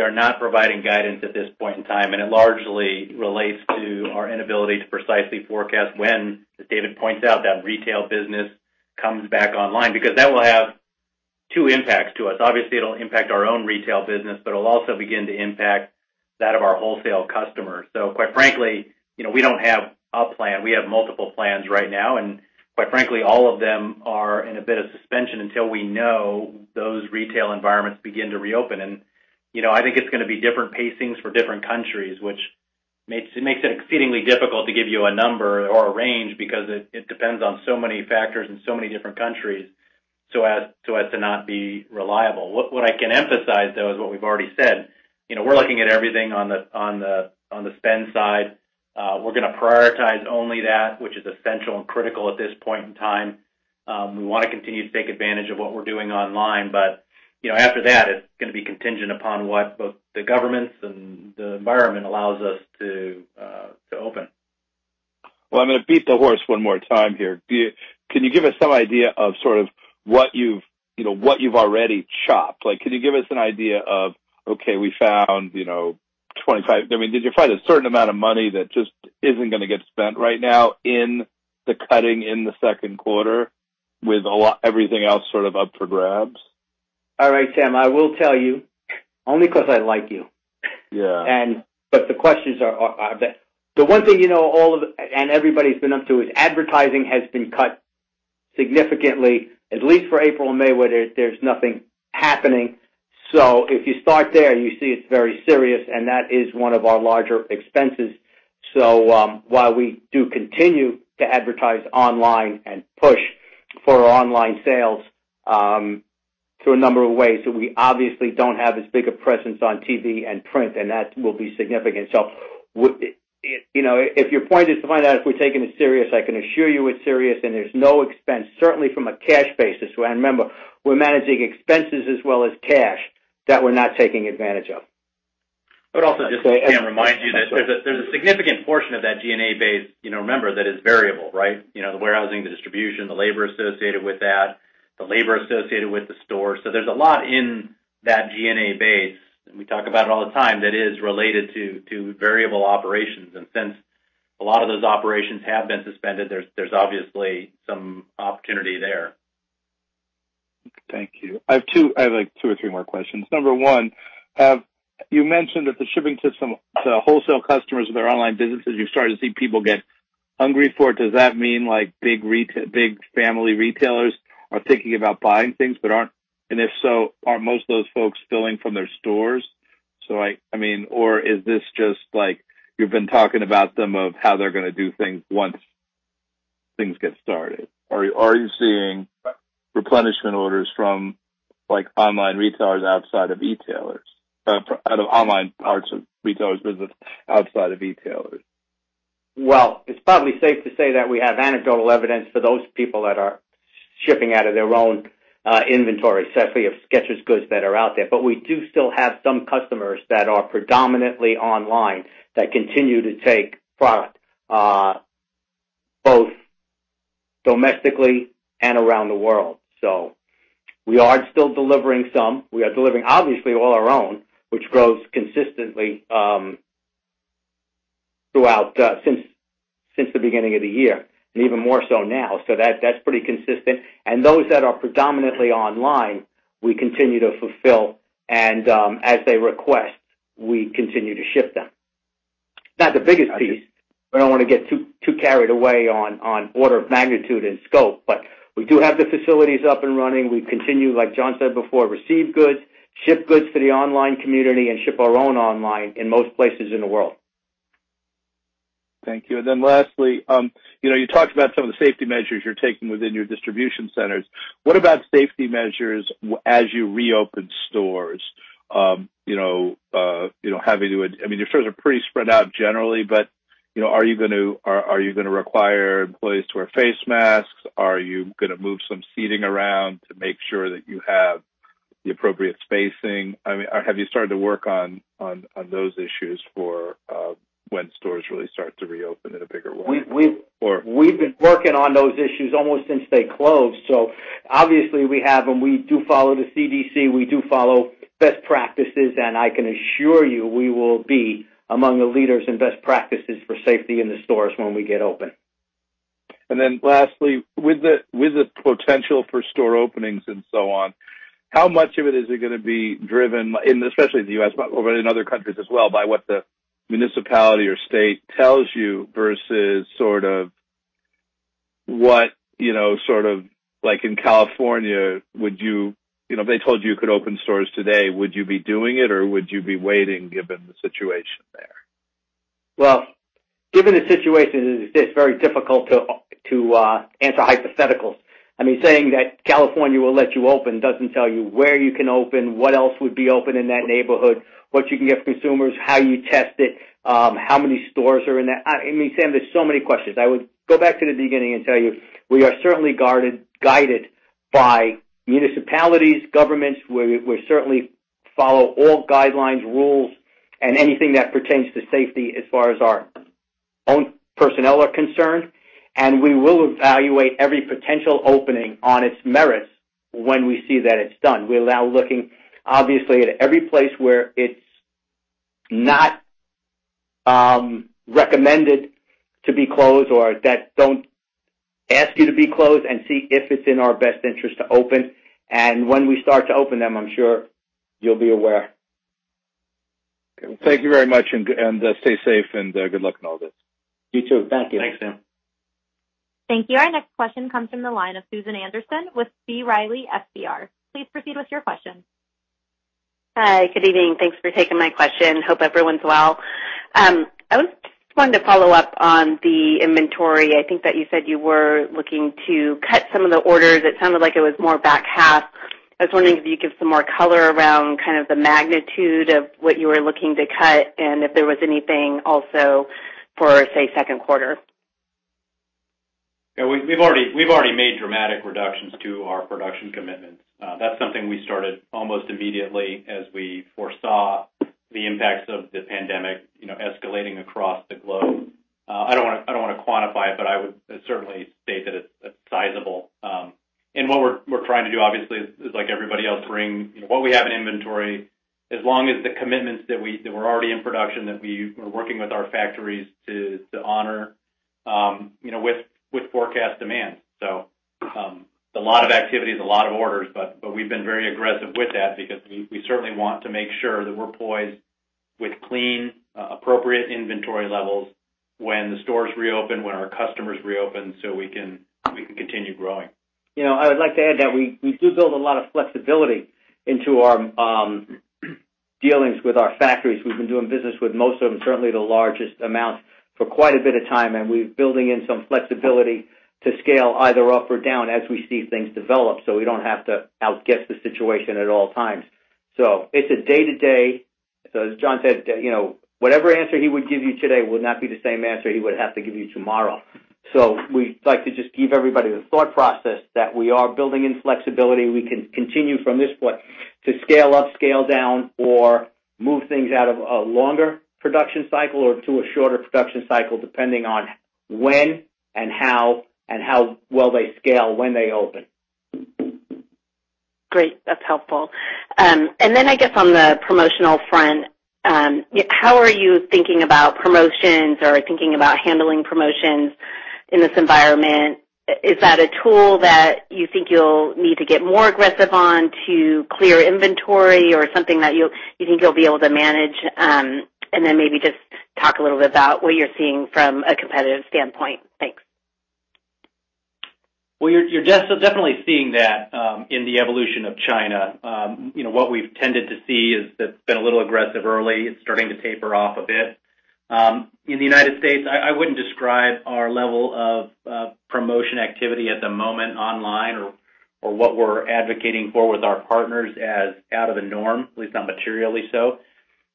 are not providing guidance at this point in time. It largely relates to our inability to precisely forecast when, as David points out, that retail business comes back online. That will have two impacts to us. Obviously, it'll impact our own retail business. It'll also begin to impact that of our wholesale customers. Quite frankly, we don't have a plan. We have multiple plans right now. Quite frankly, all of them are in a bit of suspension until we know those retail environments begin to reopen. I think it's going to be different pacings for different countries, which makes it exceedingly difficult to give you a number or a range because it depends on so many factors in so many different countries so as to not be reliable. What I can emphasize, though, is what we've already said. We're looking at everything on the spend side. We're going to prioritize only that which is essential and critical at this point in time. We want to continue to take advantage of what we're doing online, but after that, it's going to be contingent upon what both the governments and the environment allows us to open. Well, I'm going to beat the horse one more time here. Can you give us some idea of what you've already chopped? Can you give us an idea of, okay, did you find a certain amount of money that just isn't going to get spent right now in the cutting in the second quarter with everything else sort of up for grabs? All right, Sam, I will tell you only because I like you. Yeah. The one thing you know, all of, and everybody's been up to is advertising has been cut significantly, at least for April and May, where there's nothing happening. If you start there, you see it's very serious, and that is one of our larger expenses. While we do continue to advertise online and push for our online sales, through a number of ways, so we obviously don't have as big a presence on TV and print, and that will be significant. If your point is to find out if we're taking it serious, I can assure you it's serious and there's no expense, certainly from a cash basis. Remember, we're managing expenses as well as cash that we're not taking advantage of. I would also just, Sam, remind you that there's a significant portion of that G&A base, remember, that is variable, right? The warehousing, the distribution, the labor associated with that, the labor associated with the store. There's a lot in that G&A base, and we talk about it all the time, that is related to variable operations. Since a lot of those operations have been suspended, there's obviously some opportunity there. Thank you. I have two or three more questions. Number one, you mentioned that the shipping system to wholesale customers of their online businesses, you're starting to see people get hungry for it. Does that mean big family retailers are thinking about buying things but aren't? If so, are most of those folks filling from their stores? Or is this just like you've been talking about them of how they're going to do things once things get started? Are you seeing replenishment orders from online retailers outside of e-tailers, out of online parts of retailers business outside of e-tailers? Well, it's probably safe to say that we have anecdotal evidence for those people that are shipping out of their own inventory, certainly of Skechers goods that are out there. We do still have some customers that are predominantly online that continue to take product both domestically and around the world. We are still delivering some. We are delivering obviously all our own, which grows consistently since the beginning of the year, and even more so now. That's pretty consistent. Those that are predominantly online, we continue to fulfill, and as they request, we continue to ship them. Not the biggest piece. We don't want to get too carried away on order of magnitude and scope, but we do have the facilities up and running. We continue, like John said before, receive goods, ship goods to the online community, and ship our own online in most places in the world. Thank you. Then lastly, you talked about some of the safety measures you're taking within your distribution centers. What about safety measures as you reopen stores? Your stores are pretty spread out generally, but are you going to require employees to wear face masks? Are you going to move some seating around to make sure that you have the appropriate spacing? Have you started to work on those issues for when stores really start to reopen in a bigger way? We've been working on those issues almost since they closed. Obviously, we have, and we do follow the CDC, we do follow best practices, and I can assure you, we will be among the leaders in best practices for safety in the stores when we get open. Lastly, with the potential for store openings and so on, how much of it is it going to be driven, and especially in the U.S., but over in other countries as well, by what the municipality or state tells you versus what, like in California, if they told you could open stores today, would you be doing it or would you be waiting given the situation there? Well, given the situation, it's very difficult to answer hypotheticals. Saying that California will let you open doesn't tell you where you can open, what else would be open in that neighborhood, what you can give consumers, how you test it, how many stores are in that same, there's so many questions. I would go back to the beginning and tell you, we are certainly guided by municipalities, governments. We certainly follow all guidelines, rules, and anything that pertains to safety as far as our own personnel are concerned. We will evaluate every potential opening on its merits when we see that it's done. We're now looking, obviously, at every place where it's not recommended to be closed or that don't ask you to be closed and see if it's in our best interest to open. When we start to open them, I'm sure you'll be aware. Thank you very much, and stay safe, and good luck in all this. You too. Thank you. Thanks, Sam. Thank you. Our next question comes from the line of Susan Anderson with B. Riley FBR. Please proceed with your question. Hi. Good evening. Thanks for taking my question. Hope everyone's well. I just wanted to follow up on the inventory. I think that you said you were looking to cut some of the orders. It sounded like it was more back half. I was wondering if you could give some more color around the magnitude of what you were looking to cut, and if there was anything also for, say, second quarter. Yeah, we've already made dramatic reductions to our production commitments. That's something we started almost immediately as we foresaw the impacts of the pandemic escalating across the globe. I don't want to quantify it, but I would certainly state that it's sizable. What we're trying to do, obviously, is like everybody else, bring what we have in inventory as long as the commitments that were already in production that we were working with our factories to honor with forecast demand. It's a lot of activities, a lot of orders, but we've been very aggressive with that because we certainly want to make sure that we're poised with clean, appropriate inventory levels when the stores reopen, when our customers reopen, so we can continue growing. I would like to add that we do build a lot of flexibility into our dealings with our factories. We've been doing business with most of them, certainly the largest amount, for quite a bit of time, and we're building in some flexibility to scale either up or down as we see things develop, so we don't have to outguess the situation at all times. It's a day to day. As John said, whatever answer he would give you today would not be the same answer he would have to give you tomorrow. We'd like to just give everybody the thought process that we are building in flexibility. We can continue from this point to scale up, scale down, or move things out of a longer production cycle or to a shorter production cycle, depending on when and how, and how well they scale when they open. Great. That's helpful. Then I guess on the promotional front, how are you thinking about promotions or thinking about handling promotions in this environment? Is that a tool that you think you'll need to get more aggressive on to clear inventory or something that you think you'll be able to manage? Then maybe just talk a little bit about what you're seeing from a competitive standpoint. Thanks. Well, you're definitely seeing that in the evolution of China. What we've tended to see is that it's been a little aggressive early. It's starting to taper off a bit. In the United States, I wouldn't describe our level of promotion activity at the moment online or what we're advocating for with our partners as out of the norm, at least not materially so.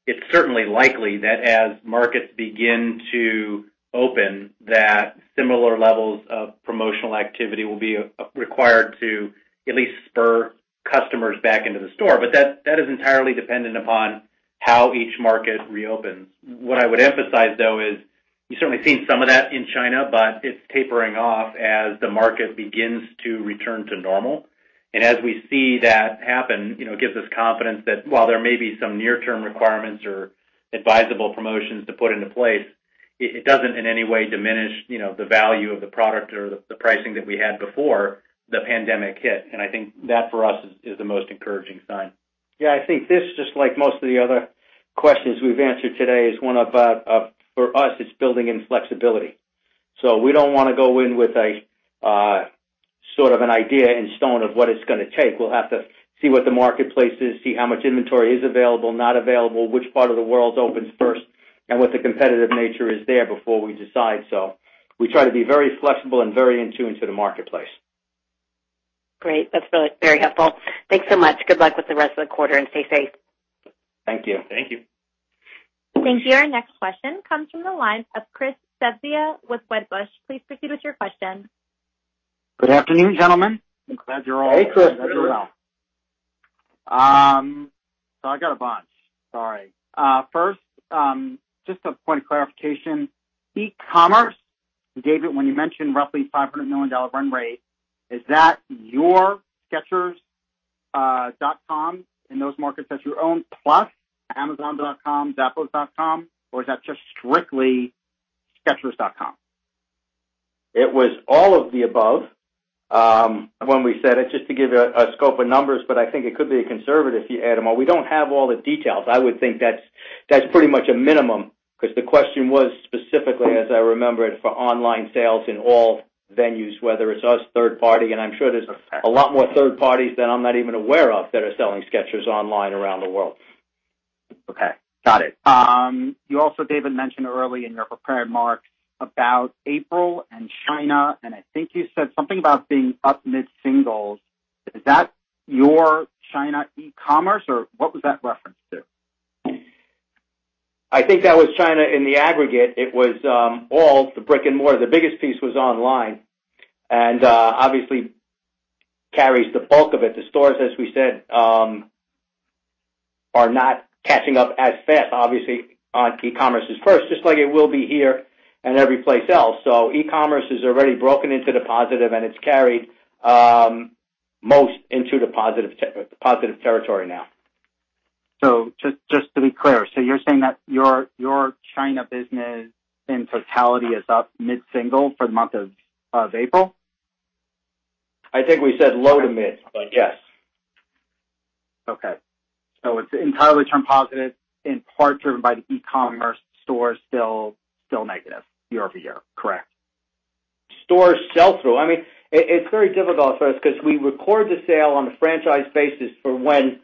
It's certainly likely that as markets begin to open, that similar levels of promotional activity will be required to at least spur customers back into the store. That is entirely dependent upon how each market reopens. What I would emphasize, though, is you've certainly seen some of that in China, but it's tapering off as the market begins to return to normal. As we see that happen, it gives us confidence that while there may be some near-term requirements or advisable promotions to put into place, it doesn't in any way diminish the value of the product or the pricing that we had before the pandemic hit. I think that for us is the most encouraging sign. Yeah, I think this, just like most of the other questions we've answered today, is one about, for us, it's building in flexibility. We don't want to go in with a sort of an idea in stone of what it's going to take. We'll have to see what the marketplace is, see how much inventory is available, not available, which part of the world opens first, and what the competitive nature is there before we decide. We try to be very flexible and very in tune to the marketplace. Great. That's really very helpful. Thanks so much. Good luck with the rest of the quarter, and stay safe. Thank you. Thank you. Thank you. Our next question comes from the line of Christopher Svezia with Wedbush. Please proceed with your question. Good afternoon, gentlemen. I'm glad you're all well. Hey, Chris. I got a bunch. Sorry. First, just a point of clarification. E-commerce, David, when you mentioned roughly $500 million run rate, is that your Skechers.com in those markets that you own, plus Amazon.com, Zappos.com, or is that just strictly Skechers.com? It was all of the above when we said it, just to give you a scope of numbers, but I think it could be a conservative if you add them all. We don't have all the details. I would think that's pretty much a minimum because the question was specifically, as I remember it, for online sales in all venues, whether it's us, third party, and I'm sure there's a lot more third parties that I'm not even aware of that are selling Skechers online around the world. Okay. Got it. You also, David, mentioned early in your prepared remarks about April and China, and I think you said something about being up mid-singles. Is that your China e-commerce, or what was that reference to? I think that was China in the aggregate. It was all the brick and mortar. The biggest piece was online, and obviously carries the bulk of it. The stores, as we said, are not catching up as fast. Obviously, e-commerce is first, just like it will be here and every place else. E-commerce has already broken into the positive, and it's carried most into the positive territory now. Just to be clear, you're saying that your China business in totality is up mid-single for the month of April? I think we said low to mid, but yes. Okay. It's entirely turned positive, in part driven by the e-commerce. Stores still negative year-over-year. Correct. Store sell-through. It's very difficult for us because we record the sale on a franchise basis for when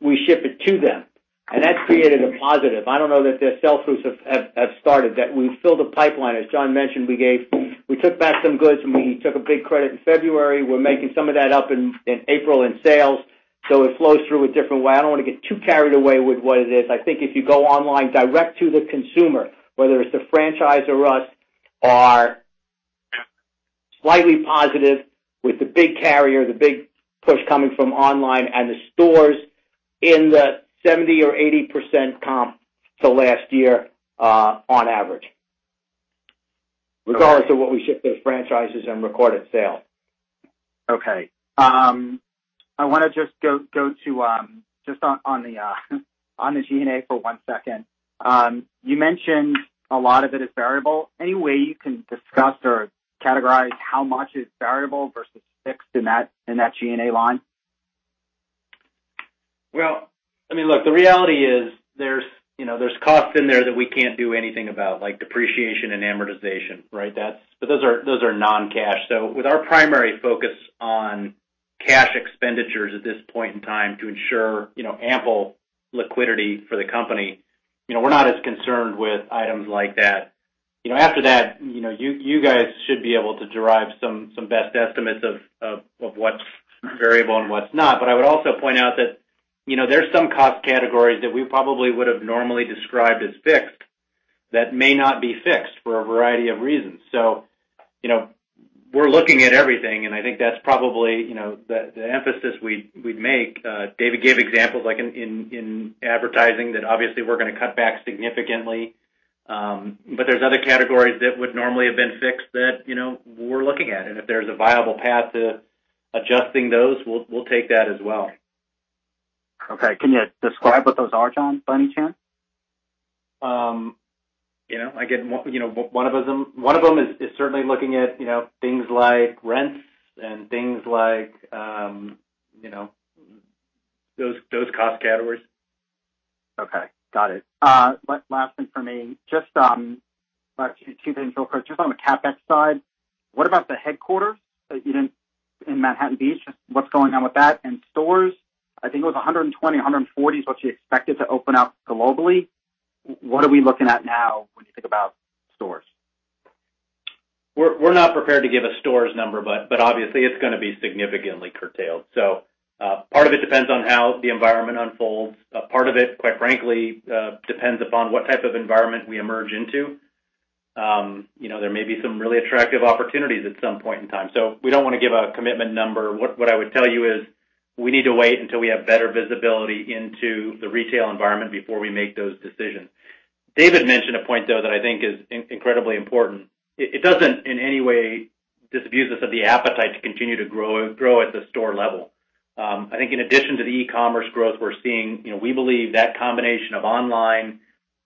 we ship it to them, and that's created a positive. I don't know that their sell-throughs have started, that we've filled the pipeline. As John mentioned, we took back some goods, and we took a big credit in February. We're making some of that up in April in sales. It flows through a different way. I don't want to get too carried away with what it is. I think if you go online direct-to-consumer, whether it's the franchise or us, are slightly positive with the big carrier, the big push coming from online, and the stores in the 70% or 80% comp to last year on average, regardless of what we ship those franchises and recorded sale. Okay. I want to just go to G&A for one second. You mentioned a lot of it is variable. Any way you can discuss or categorize how much is variable versus fixed in that G&A line? Well, look, the reality is there's costs in there that we can't do anything about, like depreciation and amortization, right? Those are non-cash. With our primary focus on cash expenditures at this point in time to ensure ample liquidity for the company, we're not as concerned with items like that. After that, you guys should be able to derive some best estimates of what's variable and what's not. I would also point out that there's some cost categories that we probably would have normally described as fixed that may not be fixed for a variety of reasons. We're looking at everything, and I think that's probably the emphasis we'd make. David gave examples, like in advertising, that obviously we're going to cut back significantly. There's other categories that would normally have been fixed that we're looking at, and if there's a viable path to adjusting those, we'll take that as well. Okay. Can you describe what those are, John, by any chance? Again, one of them is certainly looking at things like rents and things like those cost categories. Okay. Got it. Last thing from me. Actually, two things real quick. Just on the CapEx side, what about the headquarters that you didn't in Manhattan Beach? What's going on with that? Stores, I think it was 120, 140 is what you expected to open up globally. What are we looking at now when you think about stores? We're not prepared to give a stores number, but obviously it's going to be significantly curtailed. Part of it depends on how the environment unfolds. Part of it, quite frankly, depends upon what type of environment we emerge into. There may be some really attractive opportunities at some point in time. We don't want to give a commitment number. What I would tell you is we need to wait until we have better visibility into the retail environment before we make those decisions. David mentioned a point, though, that I think is incredibly important. It doesn't in any way disabuse us of the appetite to continue to grow at the store level. I think in addition to the e-commerce growth we're seeing, we believe that combination of online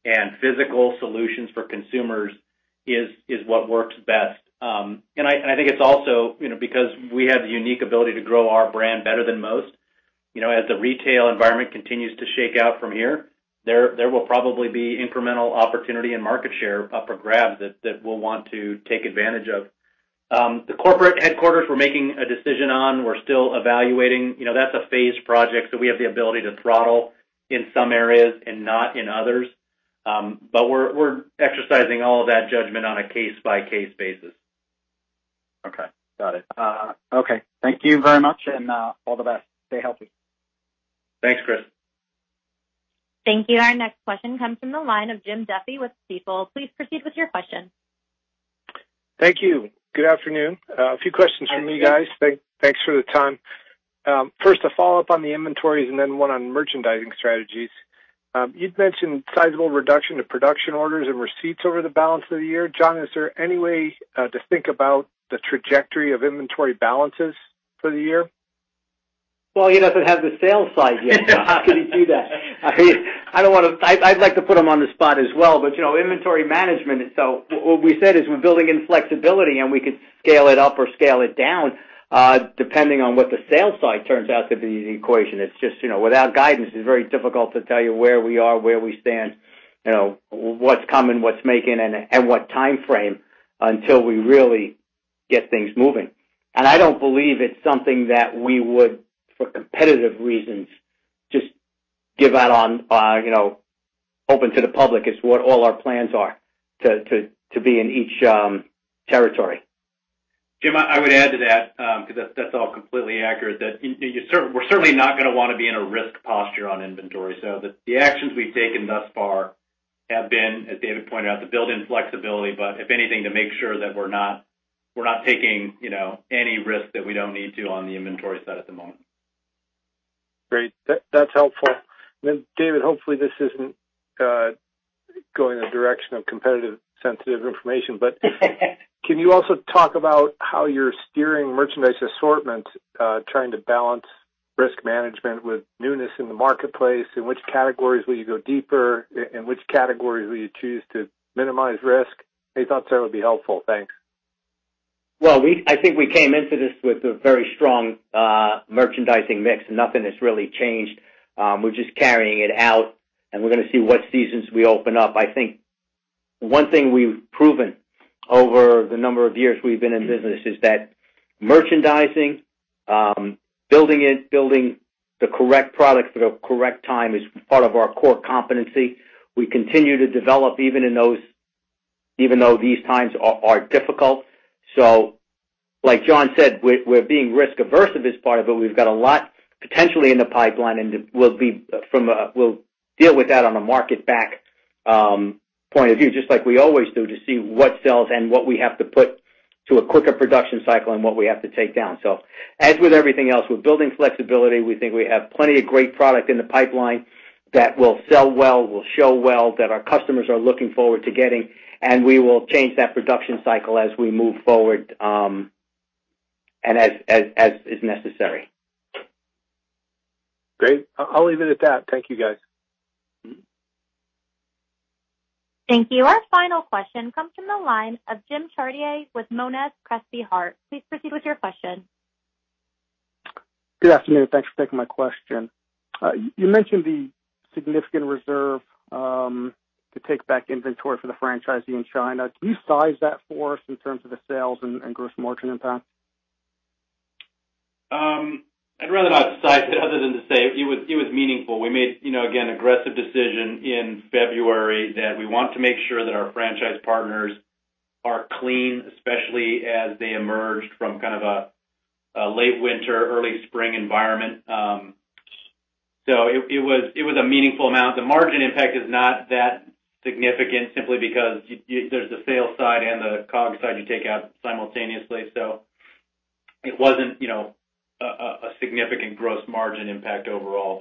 and physical solutions for consumers is what works best. I think it's also because we have the unique ability to grow our brand better than most. As the retail environment continues to shake out from here, there will probably be incremental opportunity and market share up for grabs that we'll want to take advantage of. The corporate headquarters we're making a decision on, we're still evaluating. That's a phased project, so we have the ability to throttle in some areas and not in others. We're exercising all of that judgment on a case-by-case basis. Okay. Got it. Okay. Thank you very much, and all the best. Stay healthy. Thanks, Chris. Thank you. Our next question comes from the line of Jim Duffy with Stifel. Please proceed with your question. Thank you. Good afternoon. A few questions from me, guys. Afternoon. Thanks for the time. First, a follow-up on the inventories and then one on merchandising strategies. You'd mentioned sizable reduction to production orders and receipts over the balance of the year. John, is there any way to think about the trajectory of inventory balances for the year? He doesn't have the sales side yet, John. How can he do that? I'd like to put him on the spot as well, inventory management, so what we said is we're building in flexibility, and we could scale it up or scale it down, depending on what the sales side turns out to be in the equation. It's just, without guidance, it's very difficult to tell you where we are, where we stand, what's coming, what's making, and what timeframe, until we really get things moving. I don't believe it's something that we would, for competitive reasons, just give out on, open to the public as to what all our plans are to be in each territory. Jim, I would add to that, because that's all completely accurate, that we're certainly not going to want to be in a risk posture on inventory. The actions we've taken thus far have been, as David pointed out, to build in flexibility, but if anything, to make sure that we're not taking any risk that we don't need to on the inventory side at the moment. Great. That's helpful. Then David, hopefully this isn't going in a direction of competitive sensitive information, can you also talk about how you're steering merchandise assortment, trying to balance risk management with newness in the marketplace? In which categories will you go deeper? In which categories will you choose to minimize risk? Any thoughts there would be helpful. Thanks. Well, I think we came into this with a very strong merchandising mix. Nothing has really changed. We're just carrying it out, and we're going to see what seasons we open up. I think one thing we've proven over the number of years we've been in business is that merchandising, building it, building the correct product for the correct time, is part of our core competency. We continue to develop even though these times are difficult. Like John said, we're being risk averse in this part of it. We've got a lot potentially in the pipeline, and we'll deal with that on a market-back point of view, just like we always do to see what sells and what we have to put to a quicker production cycle and what we have to take down. As with everything else, we're building flexibility. We think we have plenty of great product in the pipeline that will sell well, will show well, that our customers are looking forward to getting, and we will change that production cycle as we move forward, and as is necessary. Great. I'll leave it at that. Thank you, guys. Thank you. Our final question comes from the line of Jim Chartier with Monness, Crespi, Hardt. Please proceed with your question. Good afternoon. Thanks for taking my question. You mentioned the significant reserve to take back inventory for the franchisee in China. Can you size that for us in terms of the sales and gross margin impact? I'd rather not size it other than to say it was meaningful. We made, again, aggressive decision in February that we want to make sure that our franchise partners are clean, especially as they emerged from kind of a late winter, early spring environment. It was a meaningful amount. The margin impact is not that significant simply because there's the sales side and the COGS side you take out simultaneously. It wasn't a significant gross margin impact overall.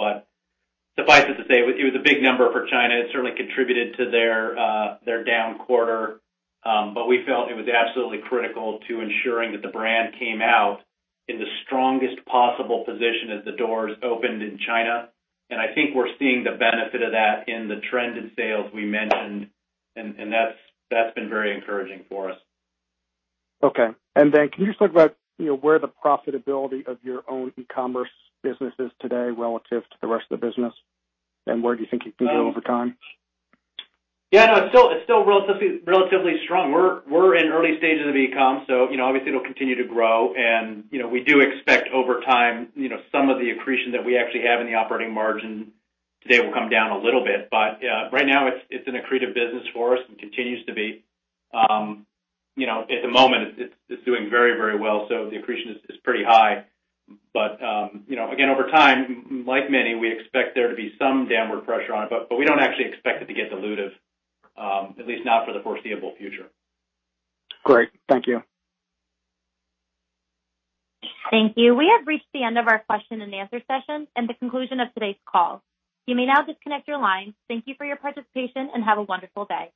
Suffice it to say, it was a big number for China. It certainly contributed to their down quarter. We felt it was absolutely critical to ensuring that the brand came out in the strongest possible position as the doors opened in China. I think we're seeing the benefit of that in the trend in sales we mentioned, and that's been very encouraging for us. Okay. Then can you just talk about where the profitability of your own e-commerce business is today relative to the rest of the business? Where do you think it can go over time? It's still relatively strong. We're in early stages of e-com, obviously it'll continue to grow. We do expect over time, some of the accretion that we actually have in the operating margin today will come down a little bit. Right now, it's an accretive business for us and continues to be. At the moment it's doing very, very well, the accretion is pretty high. Again, over time, like many, we expect there to be some downward pressure on it. We don't actually expect it to get dilutive, at least not for the foreseeable future. Great. Thank you. Thank you. We have reached the end of our question and answer session and the conclusion of today's call. You may now disconnect your lines. Thank you for your participation, and have a wonderful day.